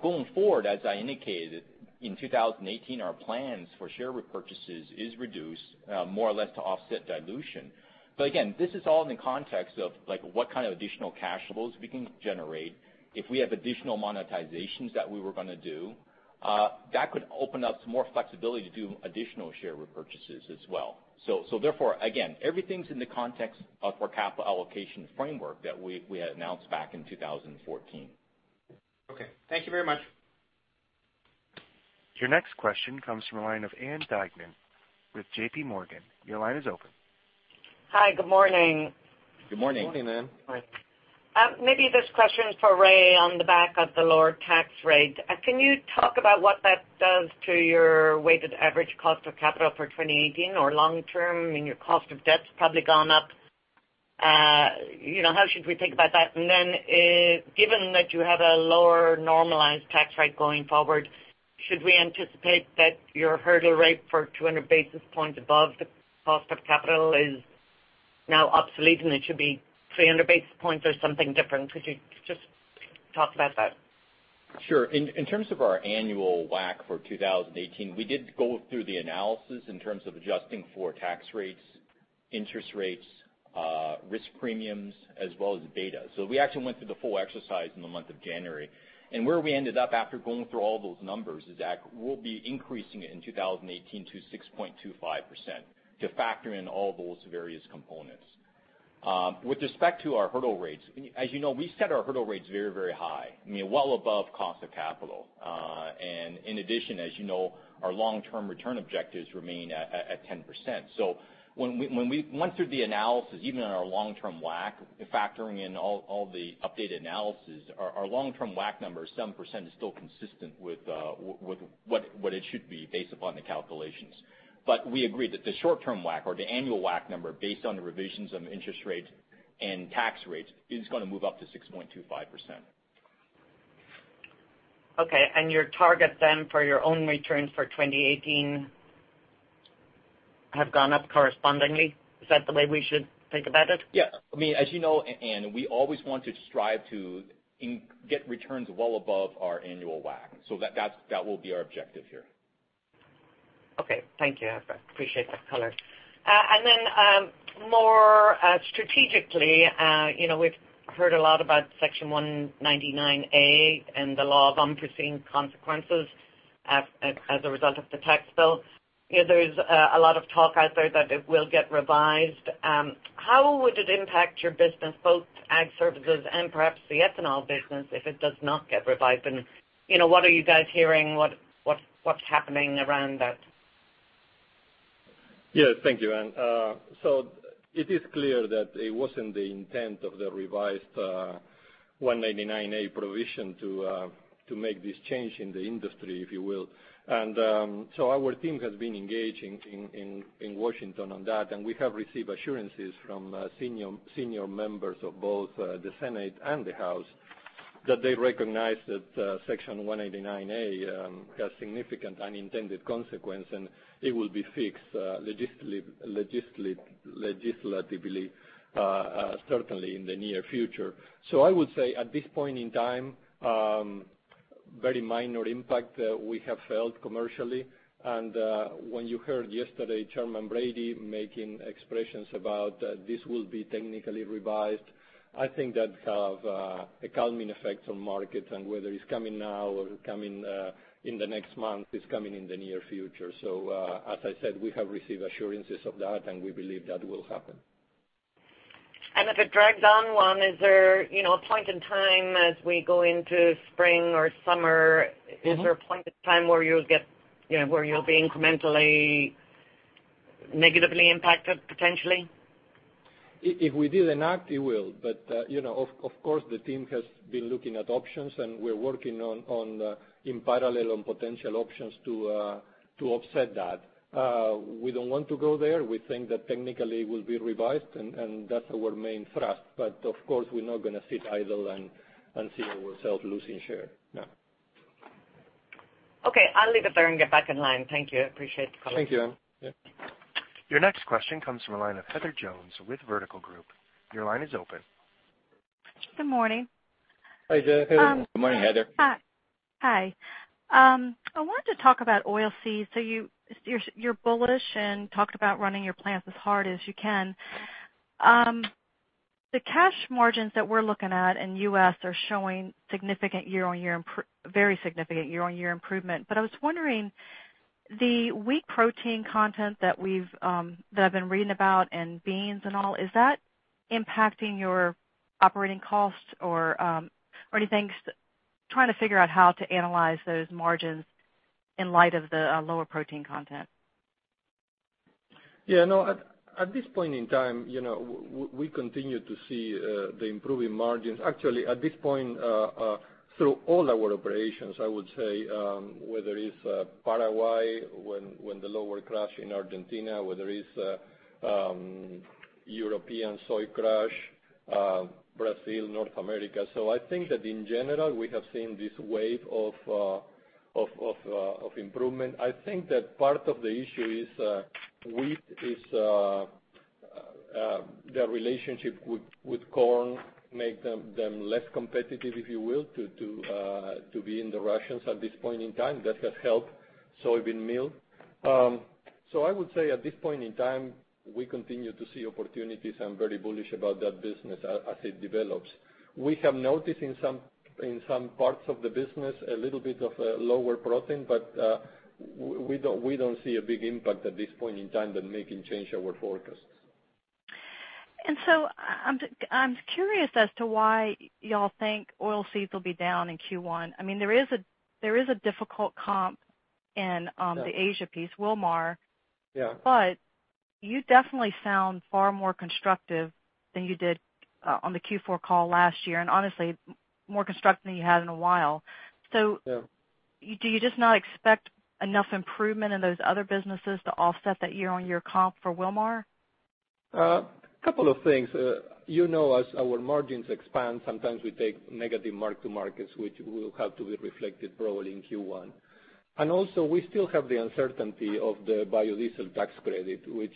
Going forward, as I indicated, in 2018, our plans for share repurchases is reduced more or less to offset dilution. Again, this is all in the context of what kind of additional cash flows we can generate. If we have additional monetizations that we were going to do, that could open up some more flexibility to do additional share repurchases as well. Therefore, again, everything's in the context of our capital allocation framework that we had announced back in 2014. Okay. Thank you very much. Your next question comes from the line of Ann Duignan with J.P. Morgan. Your line is open. Hi. Good morning. Good morning. Good morning, Ann. Maybe this question is for Ray on the back of the lower tax rate. Can you talk about what that does to your weighted average cost of capital for 2018 or long term, and your cost of debt's probably gone up. How should we think about that? Then, given that you have a lower normalized tax rate going forward, should we anticipate that your hurdle rate for 200 basis points above the cost of capital is now obsolete, and it should be 300 basis points or something different? Could you just talk about that? Sure. In terms of our annual WACC for 2018, we did go through the analysis in terms of adjusting for tax rates, interest rates, risk premiums as well as beta. We actually went through the full exercise in the month of January. Where we ended up after going through all those numbers is that we'll be increasing it in 2018 to 6.25% to factor in all those various components. With respect to our hurdle rates, as you know, we set our hurdle rates very, very high, well above cost of capital. In addition, as you know, our long-term return objectives remain at 10%. When we went through the analysis, even on our long-term WACC, factoring in all the updated analysis, our long-term WACC number is 7% is still consistent with what it should be based upon the calculations. We agree that the short-term WACC or the annual WACC number based on the revisions of interest rates and tax rates is going to move up to 6.25%. Okay. Your target then for your own returns for 2018 have gone up correspondingly? Is that the way we should think about it? Yeah. As you know, Anne, we always want to strive to get returns well above our annual WACC. That will be our objective here. Okay. Thank you. I appreciate the color. Then, more strategically, we've heard a lot about Section 199A and the law of unforeseen consequences as a result of the tax bill. There's a lot of talk out there that it will get revised. How would it impact your business, both Ag Services and perhaps the ethanol business, if it does not get revised? What are you guys hearing? What's happening around that? Thank you, Ann. It is clear that it wasn't the intent of the revised Section 199A provision to make this change in the industry, if you will. Our team has been engaging in Washington on that, and we have received assurances from senior members of both the Senate and the House that they recognize that Section 199A has significant unintended consequence, and it will be fixed legislatively certainly in the near future. I would say at this point in time, very minor impact we have felt commercially. When you heard yesterday Chairman Brady making expressions about this will be technically revised, I think that have a calming effect on markets and whether it's coming now or coming in the next month, it's coming in the near future. As I said, we have received assurances of that, and we believe that will happen. If it drags on, Juan, is there a point in time as we go into spring or summer, is there a point in time where you'll be incrementally negatively impacted, potentially? If we didn't act, it will. Of course, the team has been looking at options and we're working in parallel on potential options to offset that. We don't want to go there. We think that technically it will be revised, and that's our main thrust. Of course, we're not going to sit idle and see ourselves losing share. No. I'll leave it there and get back in line. Thank you. I appreciate the call. Thank you. Your next question comes from the line of Heather Jones with The Vertical Group. Your line is open. Good morning. Hi, Heather. Good morning, Heather. Hi. I wanted to talk about oil seeds. You're bullish and talked about running your plants as hard as you can. The cash margins that we're looking at in U.S. are showing very significant year-over-year improvement. I was wondering, the wheat protein content that I've been reading about in beans and all, is that impacting your operating costs or anything? Trying to figure out how to analyze those margins in light of the lower protein content. Yeah, no, at this point in time, we continue to see the improving margins. Actually, at this point, through all our operations, I would say, whether it's Paraguay, when the lower crush in Argentina, whether it's European soy crush, Brazil, North America. I think that in general, we have seen this wave of improvement. I think that part of the issue is wheat, is the relationship with corn make them less competitive, if you will, to be in the rations at this point in time, that has helped soybean meal. I would say at this point in time, we continue to see opportunities. I'm very bullish about that business as it develops. We have noticed in some parts of the business, a little bit of lower protein, but we don't see a big impact at this point in time that making change our forecasts. I'm curious as to why you all think oil seeds will be down in Q1. There is a difficult comp in the Asia piece, Wilmar. Yeah. You definitely sound far more constructive than you did on the Q4 call last year, and honestly, more constructive than you had in a while. Yeah. Do you just not expect enough improvement in those other businesses to offset that year-on-year comp for Wilmar? A couple of things. You know as our margins expand, sometimes we take negative mark to markets, which will have to be reflected probably in Q1. Also, we still have the uncertainty of the biodiesel tax credit, which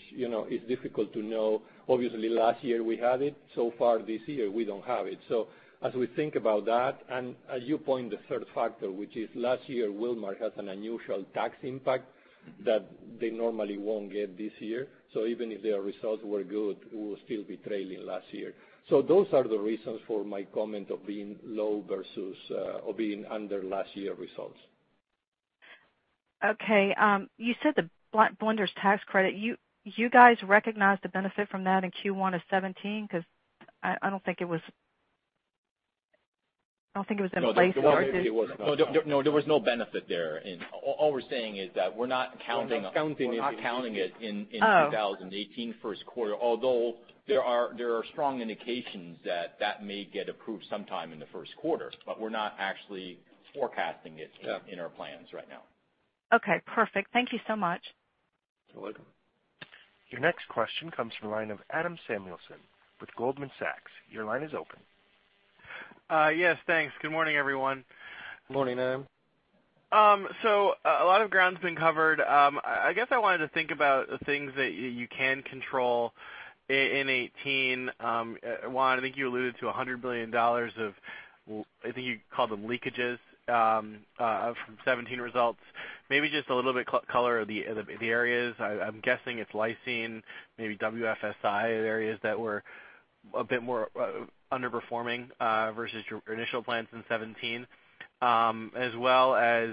is difficult to know. Obviously, last year we had it. This year, we don't have it. As we think about that, and as you point the third factor, which is last year, Wilmar has an unusual tax impact that they normally won't get this year. Even if their results were good, we will still be trailing last year. Those are the reasons for my comment of being low versus or being under last year results. Okay. You said the biodiesel tax credit. You guys recognized the benefit from that in Q1 of 2017? Because I don't think it was in place. No, there wasn't. No, there was no benefit there. All we're saying is that we're not. We're not counting it. We're not counting it in 2018 first quarter. Although there are strong indications that that may get approved sometime in the first quarter. We're not actually forecasting. Yeah in our plans right now. Okay, perfect. Thank you so much. You're welcome. Your next question comes from the line of Adam Samuelson with Goldman Sachs. Your line is open. Yes, thanks. Good morning, everyone. Morning, Adam. A lot of ground's been covered. I guess I wanted to think about the things that you can control in 2018. Juan, I think you alluded to $100 million of, I think you called them leakages, from 2017 results. Maybe just a little bit color of the areas. I'm guessing it's lysine, maybe WFSI areas that were a bit more underperforming versus your initial plans in 2017. As well as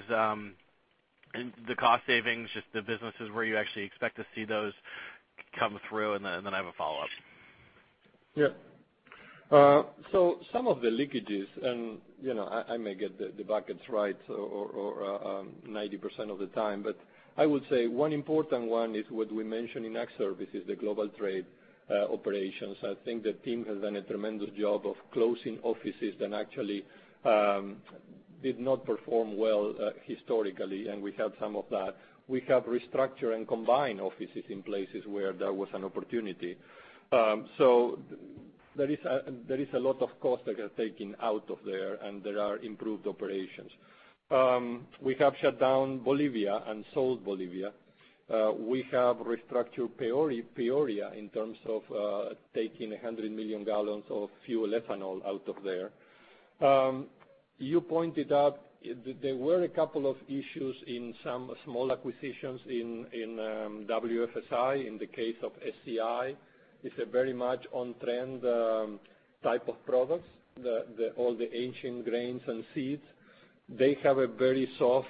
the cost savings, just the businesses where you actually expect to see those come through, then I have a follow-up. Yeah. Some of the leakages, and I may get the buckets right or 90% of the time, but I would say one important one is what we mentioned in Ag Services, the global trade operations. I think the team has done a tremendous job of closing offices that actually did not perform well historically, and we have some of that. We have restructured and combined offices in places where there was an opportunity. There is a lot of cost that got taken out of there, and there are improved operations. We have shut down Bolivia and sold Bolivia. We have restructured Peoria in terms of taking 100 million gallons of fuel ethanol out of there. You pointed out there were a couple of issues in some small acquisitions in WFSI. In the case of SCI, it is a very much on-trend type of products, all the ancient grains and seeds. They have a very soft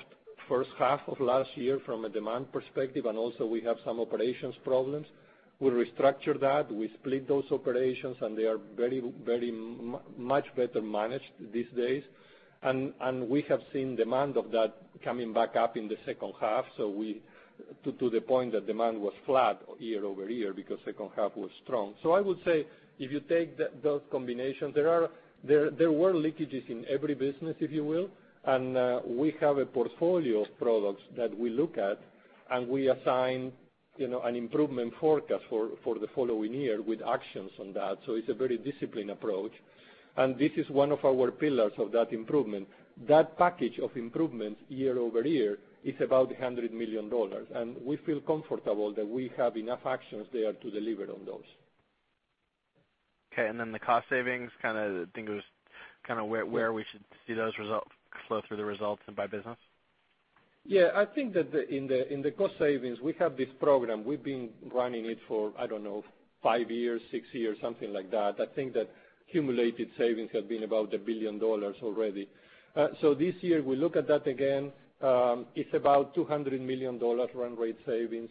first half of last year from a demand perspective, and also we have some operations problems. We restructured that. We split those operations, and they are much better managed these days. We have seen demand of that coming back up in the second half, to the point that demand was flat year-over-year because second half was strong. I would say, if you take those combinations, there were leakages in every business, if you will. We have a portfolio of products that we look at and we assign an improvement forecast for the following year with actions on that. It is a very disciplined approach. This is one of our pillars of that improvement. That package of improvements year-over-year is about $100 million. We feel comfortable that we have enough actions there to deliver on those. The cost savings, I think it was where we should see those results flow through the results and by business? I think that in the cost savings, we have this program. We have been running it for, I don't know, five years, six years, something like that. I think that accumulated savings have been about $1 billion already. This year, we look at that again. It is about $200 million run rate savings.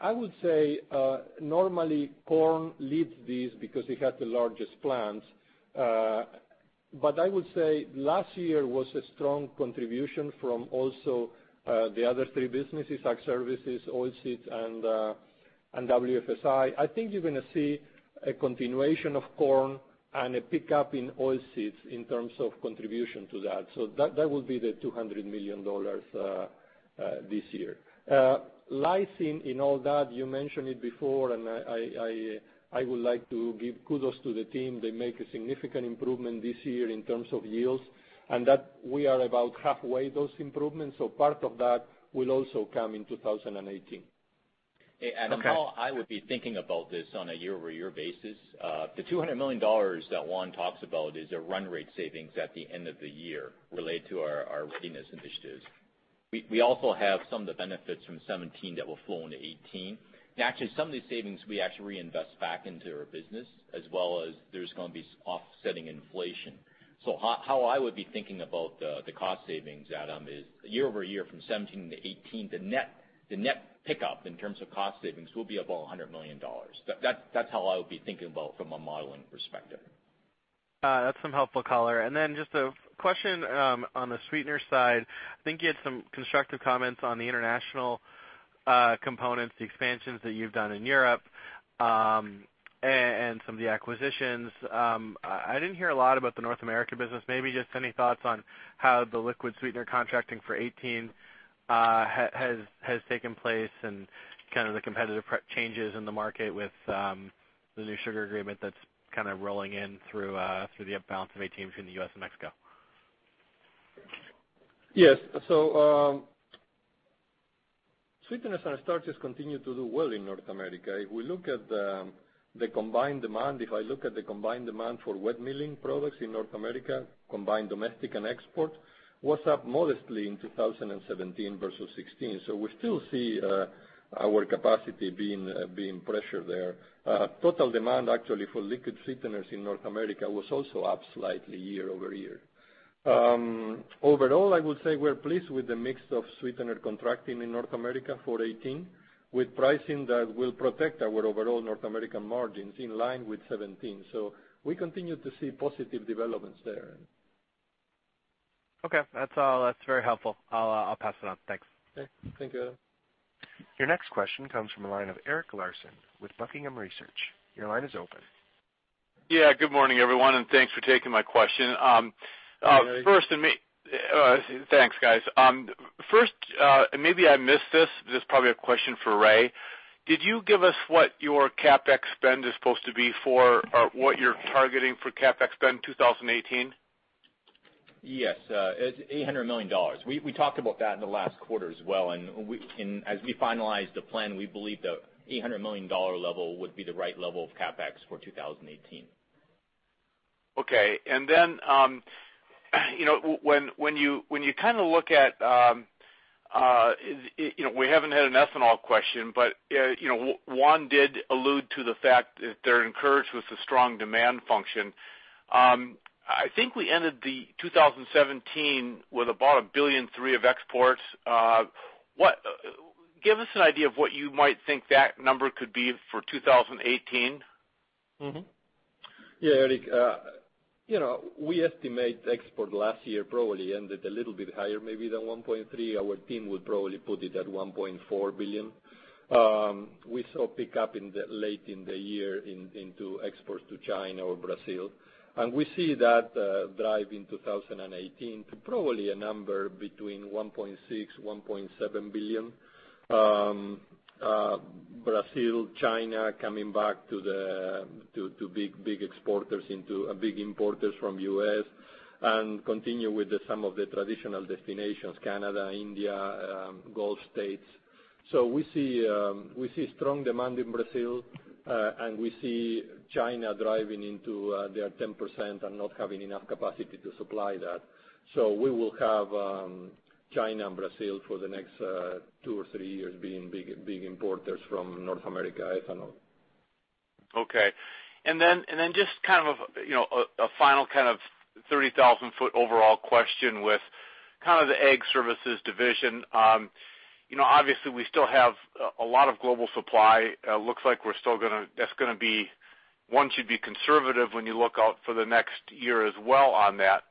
I would say, normally corn leads these because it has the largest plants. I would say last year was a strong contribution from also the other three businesses, Ag Services, Oilseeds, and WFSI. I think you are going to see a continuation of corn and a pickup in Oilseeds in terms of contribution to that. That will be the $200 million this year. lysine in all that, you mentioned it before, and I would like to give kudos to the team. They make a significant improvement this year in terms of yields, that we are about halfway those improvements, part of that will also come in 2018. Okay. How I would be thinking about this on a year-over-year basis, the $200 million that Juan Luciano talks about is a run rate savings at the end of the year related to our readiness initiatives. We also have some of the benefits from 2017 that will flow into 2018. Actually, some of these savings we actually reinvest back into our business as well as there's going to be offsetting inflation. How I would be thinking about the cost savings, Adam Samuelson, is year-over-year from 2017 to 2018, the net pickup in terms of cost savings will be about $100 million. That's how I would be thinking about from a modeling perspective. That's some helpful color. Then just a question on the sweetener side. I think you had some constructive comments on the international components, the expansions that you've done in Europe, and some of the acquisitions. I didn't hear a lot about the North America business. Maybe just any thoughts on how the liquid sweetener contracting for 2018 has taken place and the competitive changes in the market with the new sugar agreement that's rolling in through the balance of 2018 between the U.S. and Mexico. Yes. Sweeteners and starches continue to do well in North America. If I look at the combined demand for wet milling products in North America, combined domestic and export, was up modestly in 2017 versus 2016. We still see our capacity being pressured there. Total demand actually for liquid sweeteners in North America was also up slightly year-over-year. Overall, I would say we're pleased with the mix of sweetener contracting in North America for 2018, with pricing that will protect our overall North American margins in line with 2017. We continue to see positive developments there. Okay. That's all. That's very helpful. I'll pass it on. Thanks. Okay. Thank you, Adam. Your next question comes from the line of Eric Larson with Buckingham Research. Your line is open. Yeah, good morning, everyone, and thanks for taking my question. Hi, Eric. Thanks, guys. Maybe I missed this is probably a question for Ray. Did you give us what your CapEx spend is supposed to be for, or what you're targeting for CapEx spend 2018? Yes. It's $800 million. We talked about that in the last quarter as well. As we finalized the plan, we believe the $800 million level would be the right level of CapEx for 2018. Okay. We haven't had an ethanol question, Juan did allude to the fact that they're encouraged with the strong demand function. I think we ended the 2017 with about $1.3 billion of exports. Give us an idea of what you might think that number could be for 2018. Eric. We estimate export last year probably ended a little bit higher maybe than 1.3. Our team would probably put it at 1.4 billion. We saw a pickup late in the year into exports to China or Brazil. We see that drive in 2018 to probably a number between 1.6 billion-1.7 billion. Brazil, China coming back to big importers from U.S. and continue with some of the traditional destinations, Canada, India, Gulf States. We see strong demand in Brazil, and we see China driving into their 10% and not having enough capacity to supply that. We will have China and Brazil for the next two or three years being big importers from North America ethanol. Okay. Then just a final kind of 30,000-foot overall question with kind of the Ag Services division. Obviously, we still have a lot of global supply. Looks like that's going to be one to be conservative when you look out for the next year as well on that.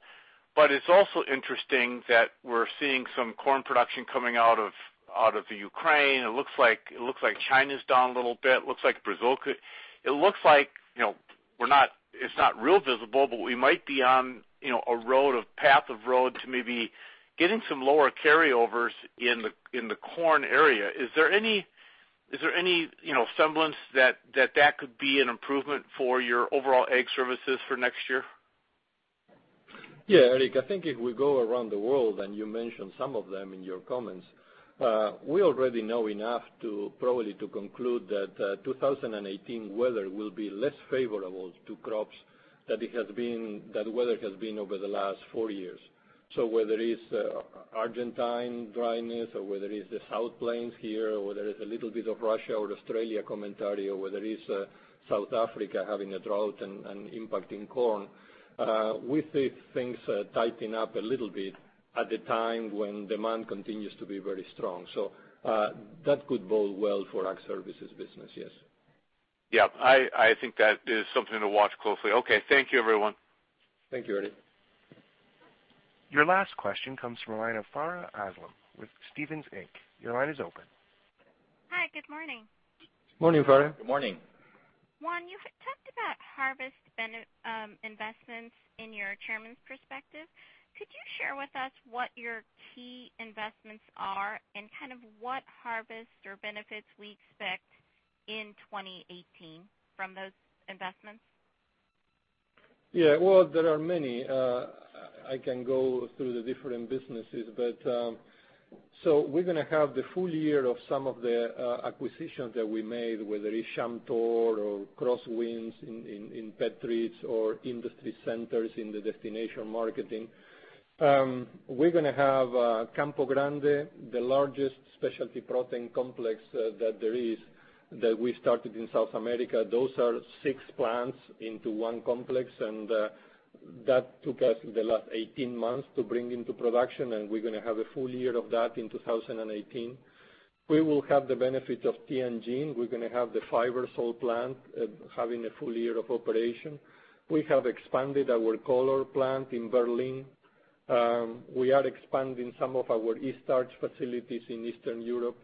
It's also interesting that we're seeing some corn production coming out of Ukraine. It looks like China's down a little bit. It looks like it's not real visible, but we might be on a path of road to maybe getting some lower carryovers in the corn area. Is there any semblance that that could be an improvement for your overall Ag Services for next year? Eric, I think if we go around the world, and you mentioned some of them in your comments, we already know enough probably to conclude that 2018 weather will be less favorable to crops than the weather has been over the last four years. Whether it's Argentine dryness or whether it's the Southern Plains here, or whether it's a little bit of Russia or Australia commentary, or whether it's South Africa having a drought and impacting corn, we see things tightening up a little bit at the time when demand continues to be very strong. That could bode well for Ag Services business, yes. I think that is something to watch closely. Okay. Thank you, everyone. Thank you, Eric. Your last question comes from the line of Farha Aslam with Stephens Inc. Your line is open. Hi, good morning. Morning, Farha. Good morning. Juan, you had talked about harvest investments in your chairman's perspective. Could you share with us what your key investments are and kind of what harvest or benefits we expect in 2018 from those investments? Well, there are many. I can go through the different businesses. We're gonna have the full year of some of the acquisitions that we made, whether it's Chamtor or Crosswinds in pet treats or Industry Centers in the destination marketing. We're gonna have Campo Grande, the largest specialty protein complex that there is, that we started in South America. Those are six plants into one complex, and that took us the last 18 months to bring into production, and we're gonna have a full year of that in 2018. We will have the benefit of TNG. We're gonna have the Fibersol plant having a full year of operation. We have expanded our color plant in Berlin. We are expanding some of our yeast starch facilities in Eastern Europe.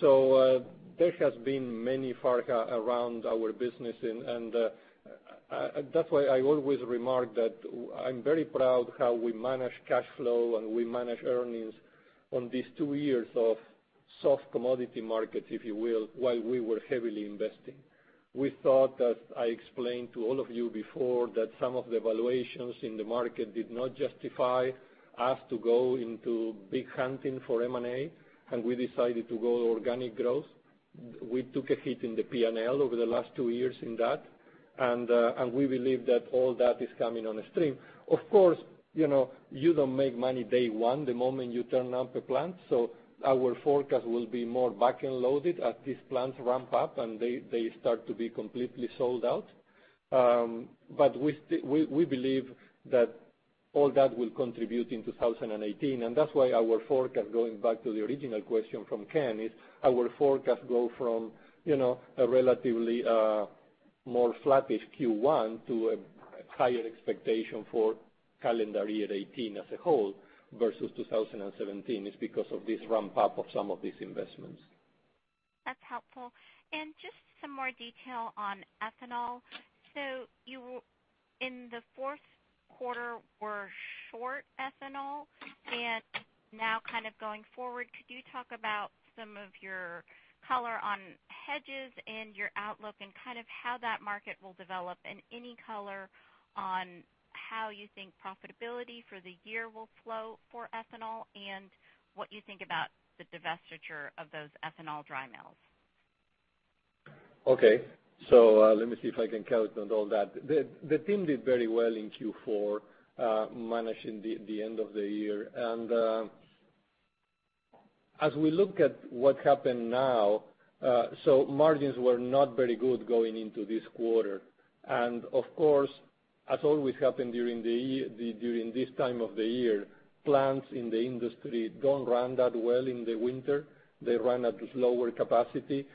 There has been many, Farha, around our business, and that's why I always remark that I'm very proud how we manage cash flow and we manage earnings on these two years of soft commodity markets, if you will, while we were heavily investing. We thought that, I explained to all of you before, that some of the valuations in the market did not justify us to go into big hunting for M&A, and we decided to go organic growth. We took a hit in the P&L over the last two years in that, and we believe that all that is coming on the stream. Of course, you don't make money day one the moment you turn up a plant, so our forecast will be more back-end loaded as these plants ramp up and they start to be completely sold out. We believe that all that will contribute in 2018, and that's why our forecast, going back to the original question from Ken, is our forecast go from a relatively more flattish Q1 to a higher expectation for calendar year 2018 as a whole versus 2017 is because of this ramp-up of some of these investments. That's helpful. Just some more detail on ethanol. You, in the fourth quarter, were short ethanol, and now kind of going forward, could you talk about some of your color on hedges and your outlook and kind of how that market will develop and any color on how you think profitability for the year will flow for ethanol and what you think about the divestiture of those ethanol dry mills? Let me see if I can comment on all that. The team did very well in Q4 managing the end of the year. As we look at what happened now, margins were not very good going into this quarter. Of course, as always happened during this time of the year, plants in the industry don't run that well in the winter. They run at lower capacity.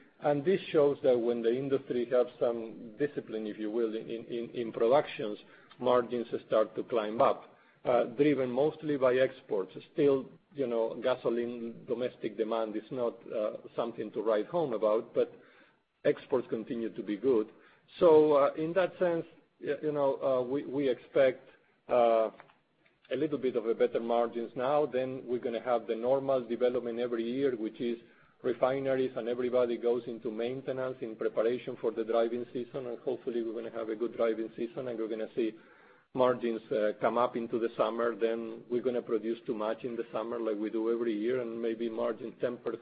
This shows that when the industry have some discipline, if you will, in productions, margins start to climb up, driven mostly by exports. Still, gasoline, domestic demand is not something to write home about, but exports continue to be good. In that sense, we expect a little bit of a better margins now. We're gonna have the normal development every year, which is refineries and everybody goes into maintenance in preparation for the driving season, and hopefully we're gonna have a good driving season, and we're gonna see margins come up into the summer. We're gonna produce too much in the summer like we do every year, and maybe margin temper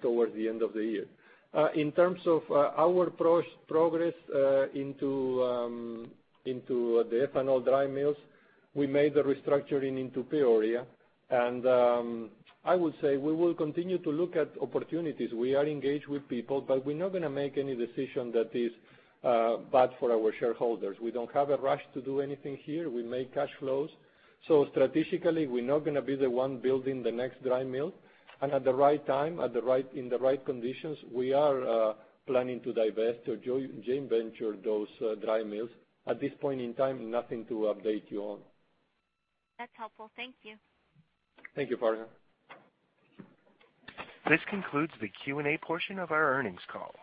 towards the end of the year. In terms of our progress into the ethanol dry mills, we made the restructuring into Peoria, and I would say we will continue to look at opportunities. We are engaged with people, but we're not gonna make any decision that is bad for our shareholders. We don't have a rush to do anything here. We make cash flows. Strategically, we're not gonna be the one building the next dry mill. At the right time, in the right conditions, we are planning to divest or joint venture those dry mills. At this point in time, nothing to update you on. That's helpful. Thank you. Thank you, Farha. This concludes the Q&A portion of our earnings call.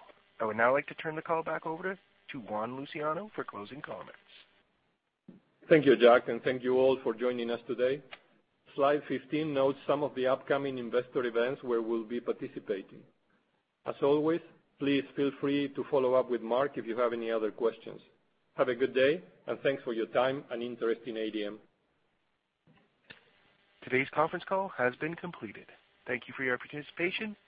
I would now like to turn the call back over to Juan Luciano for closing comments. Thank you, Jack, and thank you all for joining us today. Slide 15 notes some of the upcoming investor events where we'll be participating. As always, please feel free to follow up with Mark if you have any other questions. Have a good day, and thanks for your time and interest in ADM. Today's conference call has been completed. Thank you for your participation.